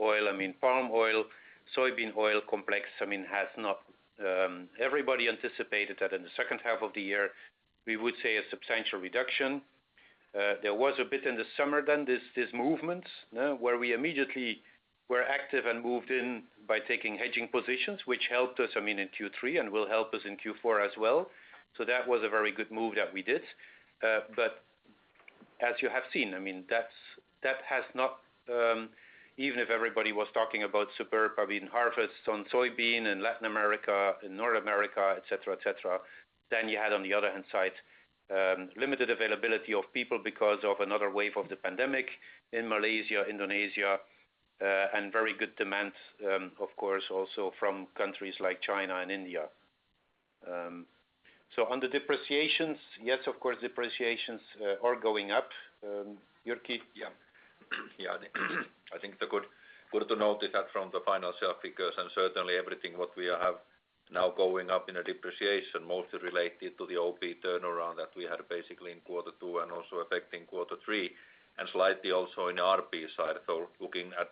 oil, I mean, palm oil, soybean oil complex. Everybody anticipated that in the second half of the year, we would see a substantial reduction. There was a bit in the summer then this movement where we immediately were active and moved in by taking hedging positions, which helped us, I mean, in Q3 and will help us in Q4 as well. That was a very good move that we did. As you have seen, I mean, that has not even if everybody was talking about superb, I mean, harvests on soybean in Latin America, in North America, et cetera, et cetera. You had on the other hand side, limited availability of people because of another wave of the pandemic in Malaysia, Indonesia, and very good demand, of course, also from countries like China and India. On the depreciations, yes, of course, are going up. Jyrki? Yeah, I think it's good to note that from the financial figures, and certainly everything that we have now going up in depreciation, mostly related to the OP turnaround that we had basically in quarter two and also affecting quarter three, and slightly also in the RP side. Looking at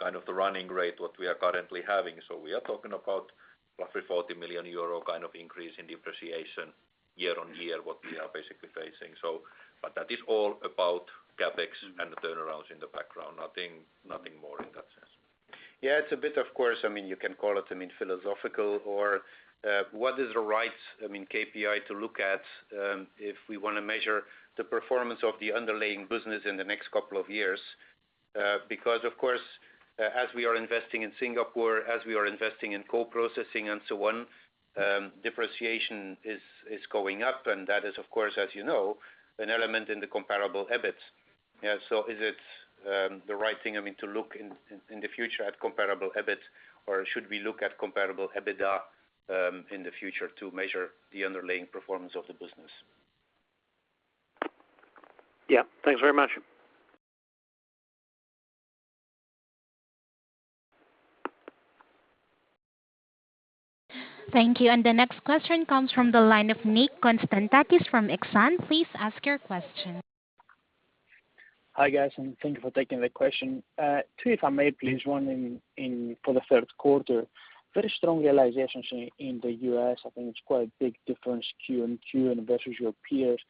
kind of the running rate, what we are currently having. We are talking about roughly 40 million euro kind of increase in depreciation year-on-year, what we are basically facing. That is all about CapEx and the turnarounds in the background. Nothing more in that sense. Yeah, it's a bit, of course, I mean, you can call it, I mean, philosophical or what is the right, I mean, KPI to look at if we wanna measure the performance of the underlying business in the next couple of years. Because of course, as we are investing in Singapore, as we are investing in co-processing and so on, depreciation is going up, and that is of course, as you know, an element in the comparable EBIT. Yeah, so is it the right thing, I mean to look in the future at comparable EBIT, or should we look at comparable EBITDA in the future to measure the underlying performance of the business? Yeah. Thanks very much. Thank you. The next question comes from the line of Nick Konstantakis from Exane. Please ask your question. Hi, guys, and thank you for taking the question. Two if I may please. One for the third quarter. Very strong realizations in the U.S. I think it's quite a big difference Q on Q versus your peers.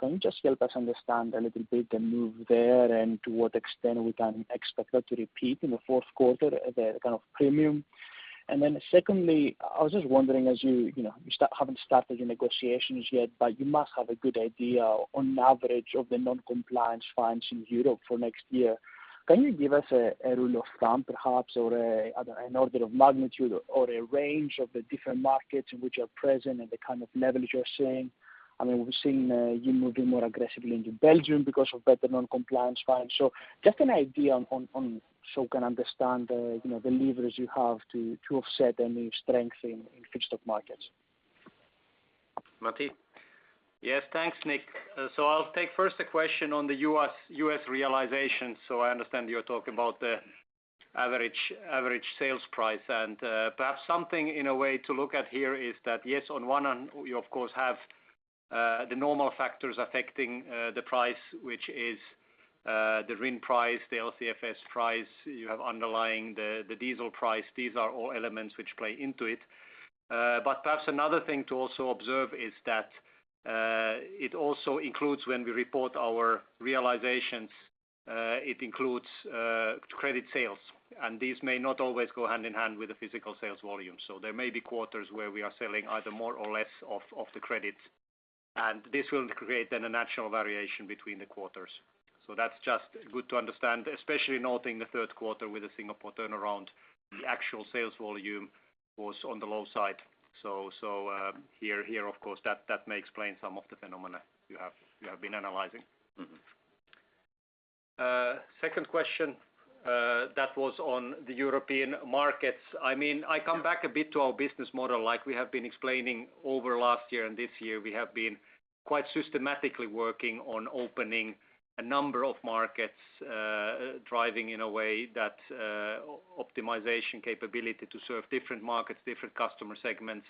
Can you just help us understand a little bit the move there and to what extent we can expect that to repeat in the fourth quarter, the kind of premium? And then secondly, I was just wondering, as you know, you haven't started your negotiations yet, but you must have a good idea on average of the non-compliance fines in Europe for next year. Can you give us a rule of thumb perhaps, or an order of magnitude or a range of the different markets in which you are present and the kind of levels you're seeing? I mean, we've seen you moving more aggressively into Belgium because of better non-compliance fines. Just an idea on. So I can understand the, you know, the levers you have to offset any strength in feedstock markets. Matti? Yes, thanks, Nick. I'll take first the question on the U.S. realization. I understand you're talking about the average sales price. Perhaps something in a way to look at here is that, yes, on one hand you of course have the normal factors affecting the price, which is the RIN price, the LCFS price. You have underlying the diesel price. These are all elements which play into it. Perhaps another thing to also observe is that it also includes when we report our realizations, it includes credit sales, and these may not always go hand in hand with the physical sales volume. There may be quarters where we are selling either more or less off the credits, and this will create then a natural variation between the quarters. That's just good to understand, especially noting the third quarter with the Singapore turnaround, the actual sales volume was on the low side. Here, of course, that may explain some of the phenomena you have been analyzing. Mm-hmm. Second question that was on the European markets. I mean, I come back a bit to our business model. Like we have been explaining over last year and this year, we have been quite systematically working on opening a number of markets, driving in a way that optimization capability to serve different markets, different customer segments,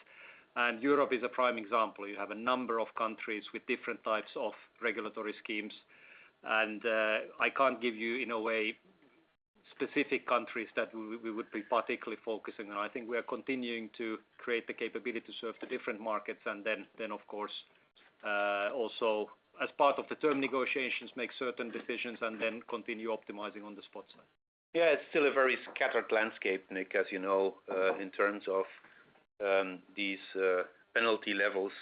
and Europe is a prime example. You have a number of countries with different types of regulatory schemes, and I can't give you, in a way, specific countries that we would be particularly focusing on. I think we are continuing to create the capability to serve the different markets and then of course, also as part of the term negotiations, make certain decisions and then continue optimizing on the spot side. Yeah, it's still a very scattered landscape, Nick, as you know, in terms of these penalty levels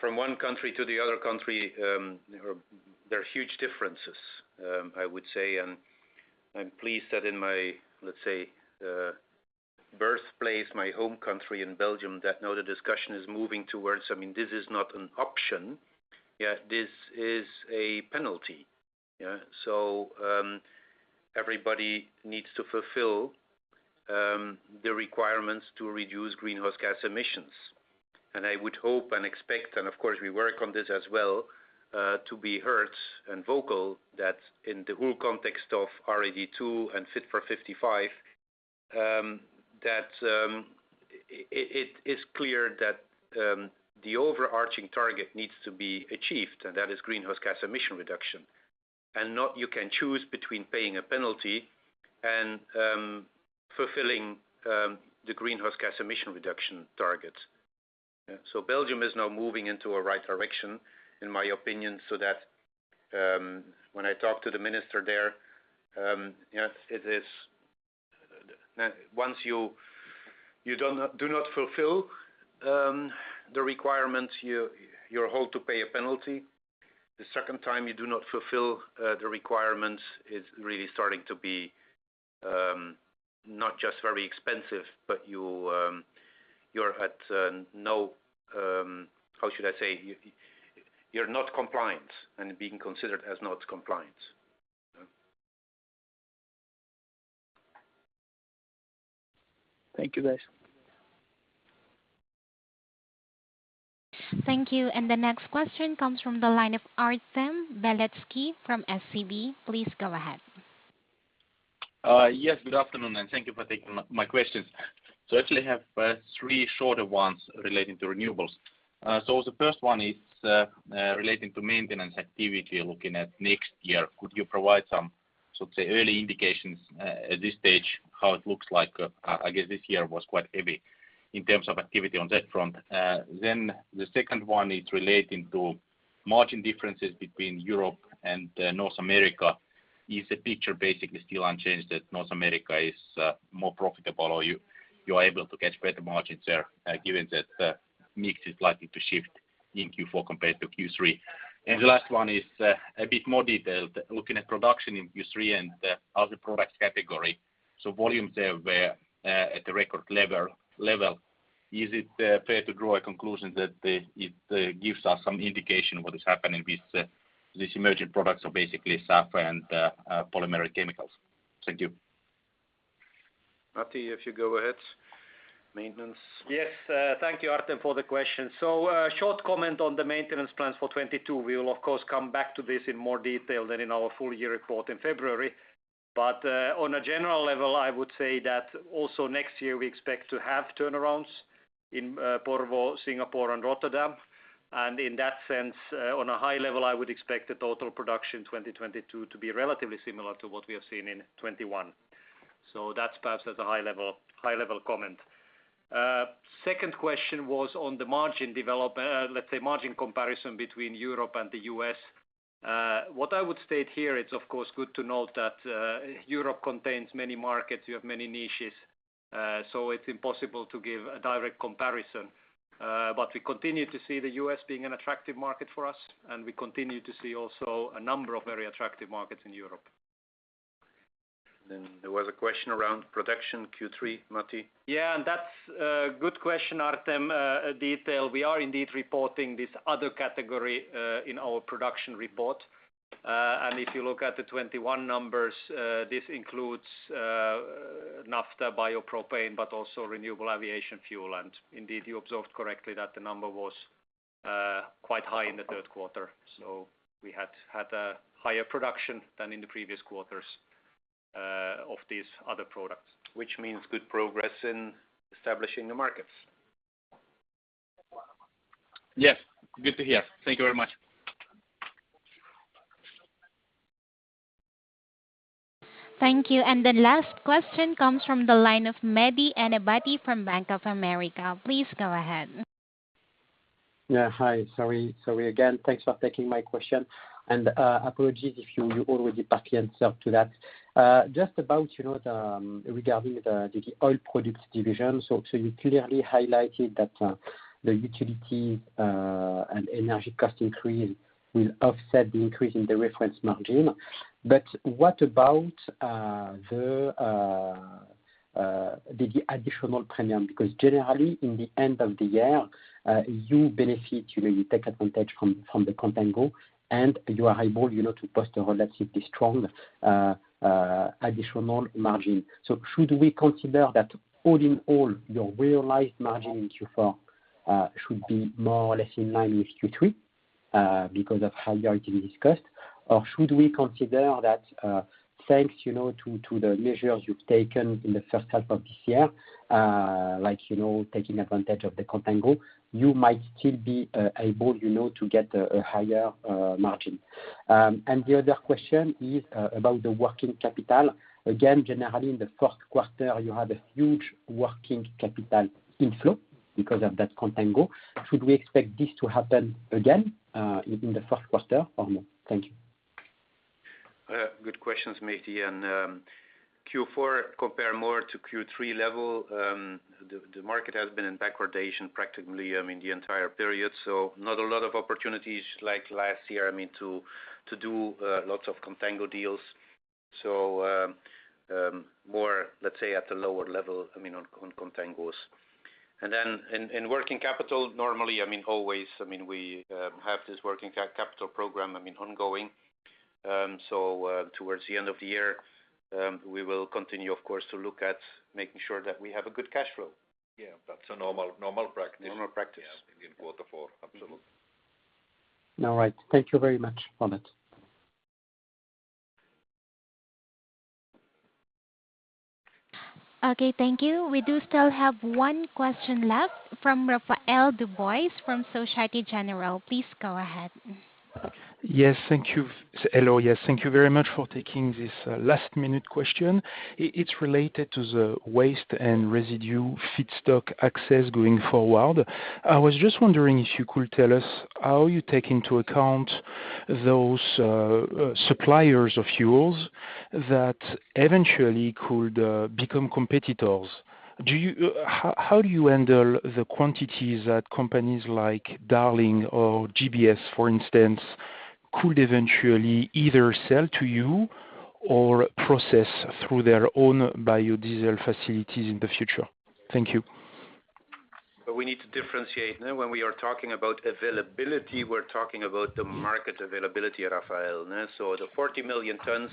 from one country to the other country, there are huge differences, I would say. I'm pleased that in my, let's say, birthplace, my home country in Belgium, that now the discussion is moving towards, I mean, this is not an option, yeah, this is a penalty. Yeah. Everybody needs to fulfill the requirements to reduce greenhouse gas emissions. I would hope and expect, and of course we work on this as well, to be heard and vocal, that in the whole context of RED II and Fit for 55, that it is clear that the overarching target needs to be achieved, and that is greenhouse gas emission reduction. Now you can choose between paying a penalty and fulfilling the greenhouse gas emission reduction target. Belgium is now moving in the right direction, in my opinion, so that when I talk to the minister there, yes, it is. Once you do not fulfill the requirements, you're held to pay a penalty. The second time you do not fulfill the requirements, it's really starting to be not just very expensive, but you're at. How should I say? You're not compliant and being considered as not compliant. Thank you, guys. Thank you. The next question comes from the line of Artem Beletski from SEB. Please go ahead. Yes, good afternoon, and thank you for taking my questions. I actually have three shorter ones relating to renewables. The first one is relating to maintenance activity looking at next year. Could you provide some, sort of say, early indications at this stage, how it looks like? I guess this year was quite heavy in terms of activity on that front. The second one is relating to margin differences between Europe and North America. Is the picture basically still unchanged that North America is more profitable or you are able to get better margins there, given that mix is likely to shift? In Q4 compared to Q3. The last one is a bit more detailed. Looking at production in Q3 and the other product category. Volumes there were at the record level. Is it fair to draw a conclusion that it gives us some indication of what is happening with these emerging products, so basically sulfur and polymeric chemicals? Thank you. Matti, if you go ahead. Maintenance. Yes. Thank you, Artem, for the question. Short comment on the maintenance plans for 2022. We will of course come back to this in more detail in our full-year report in February. On a general level, I would say that also next year we expect to have turnarounds in Porvoo, Singapore and Rotterdam. In that sense, on a high level, I would expect the total production in 2022 to be relatively similar to what we have seen in 2021. That's perhaps as a high level comment. Second question was on the margin comparison between Europe and the U.S. What I would state here, it's of course good to note that Europe contains many markets, you have many niches. It's impossible to give a direct comparison. We continue to see the U.S. being an attractive market for us, and we continue to see also a number of very attractive markets in Europe. There was a question around production Q3, Matti. That's a good question, Artem, detail. We are indeed reporting this other category in our production report. If you look at the 2021 numbers, this includes NAFTA bio-propane, but also renewable aviation fuel. You observed correctly that the number was quite high in the third quarter. We had a higher production than in the previous quarters of these other products. Which means good progress in establishing the markets. Yes. Good to hear. Thank you very much. Thank you. The last question comes from the line of Mehdi Ennebati from Bank of America. Please go ahead. Yeah. Hi. Sorry again. Thanks for taking my question. Apologies if you already partially answered that. Just about, you know, regarding the Oil Products division. So you clearly highlighted that the utility and energy cost increase will offset the increase in the reference margin. But what about the additional premium? Because generally in the end of the year, you benefit, you know, you take advantage from the contango, and you are able, you know, to post a relatively strong additional margin. So should we consider that all in all, your realized margin in Q4 should be more or less in line with Q3 because of higher energy costs? Should we consider that, thanks, you know, to the measures you've taken in the first half of this year, like, you know, taking advantage of the contango, you might still be able, you know, to get a higher margin. The other question is about the working capital. Again, generally in the fourth quarter, you have a huge working capital inflow because of that contango. Should we expect this to happen again in the first quarter or no? Thank you. Good questions, Mehdi. Q4 compare more to Q3 level. The market has been in backwardation practically, I mean, the entire period. Not a lot of opportunities like last year, I mean, to do lots of contango deals. More, let's say at a lower level, I mean, on contangos. Then in working capital, normally, I mean always, I mean, we have this working capital program, I mean, ongoing. Towards the end of the year, we will continue of course to look at making sure that we have a good cash flow. Yeah. That's a normal practice. Normal practice. Yeah. In quarter four. Absolutely. All right. Thank you very much. Okay, thank you. We do still have one question left from Raphaël Dubois from Société Générale. Please go ahead. Yes. Thank you. Hello. Yes. Thank you very much for taking this last minute question. It's related to the waste and residue feedstock access going forward. I was just wondering if you could tell us how you take into account those suppliers of fuels that eventually could become competitors. How do you handle the quantities that companies like Darling or GBS, for instance, could eventually either sell to you or process through their own biodiesel facilities in the future? Thank you. We need to differentiate. When we are talking about availability, we're talking about the market availability, Raphaël. The 40 million tons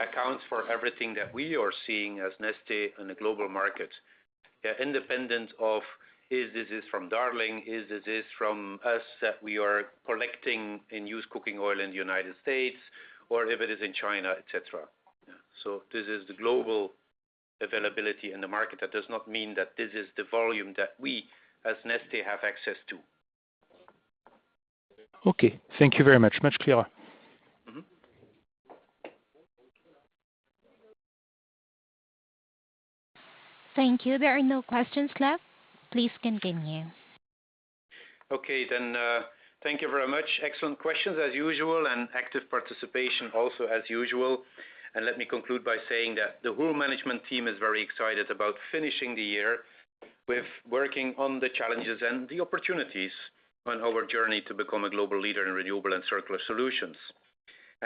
accounts for everything that we are seeing as Neste in the global market. Independent of whether this is from Darling, whether this is from us that we are collecting used cooking oil in the United States or if it is in China, et cetera. This is the global availability in the market. That does not mean that this is the volume that we as Neste have access to. Okay. Thank you very much. Much clearer. Thank you. There are no questions left. Please continue. Okay then, thank you very much. Excellent questions as usual, and active participation also as usual. Let me conclude by saying that the whole management team is very excited about finishing the year with working on the challenges and the opportunities on our journey to become a global leader in renewable and circular solutions.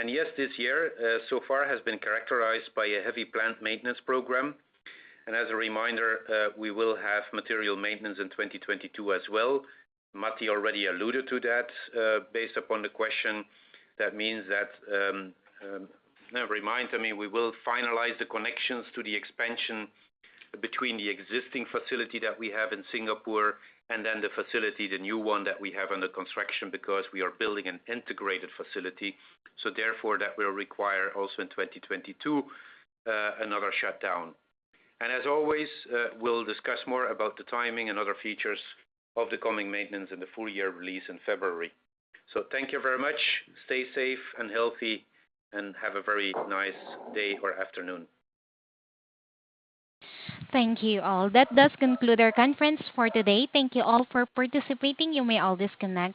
Yes, this year, so far has been characterized by a heavy plant maintenance program. As a reminder, we will have material maintenance in 2022 as well. Matti already alluded to that, based upon the question. That means that, reminds me, we will finalize the connections to the expansion between the existing facility that we have in Singapore and then the facility, the new one that we have under construction, because we are building an integrated facility. Therefore that will require also in 2022 another shutdown. As always, we'll discuss more about the timing and other features of the coming maintenance in the full year release in February. Thank you very much. Stay safe and healthy, and have a very nice day or afternoon. Thank you all. That does conclude our conference for today. Thank you all for participating. You may all disconnect.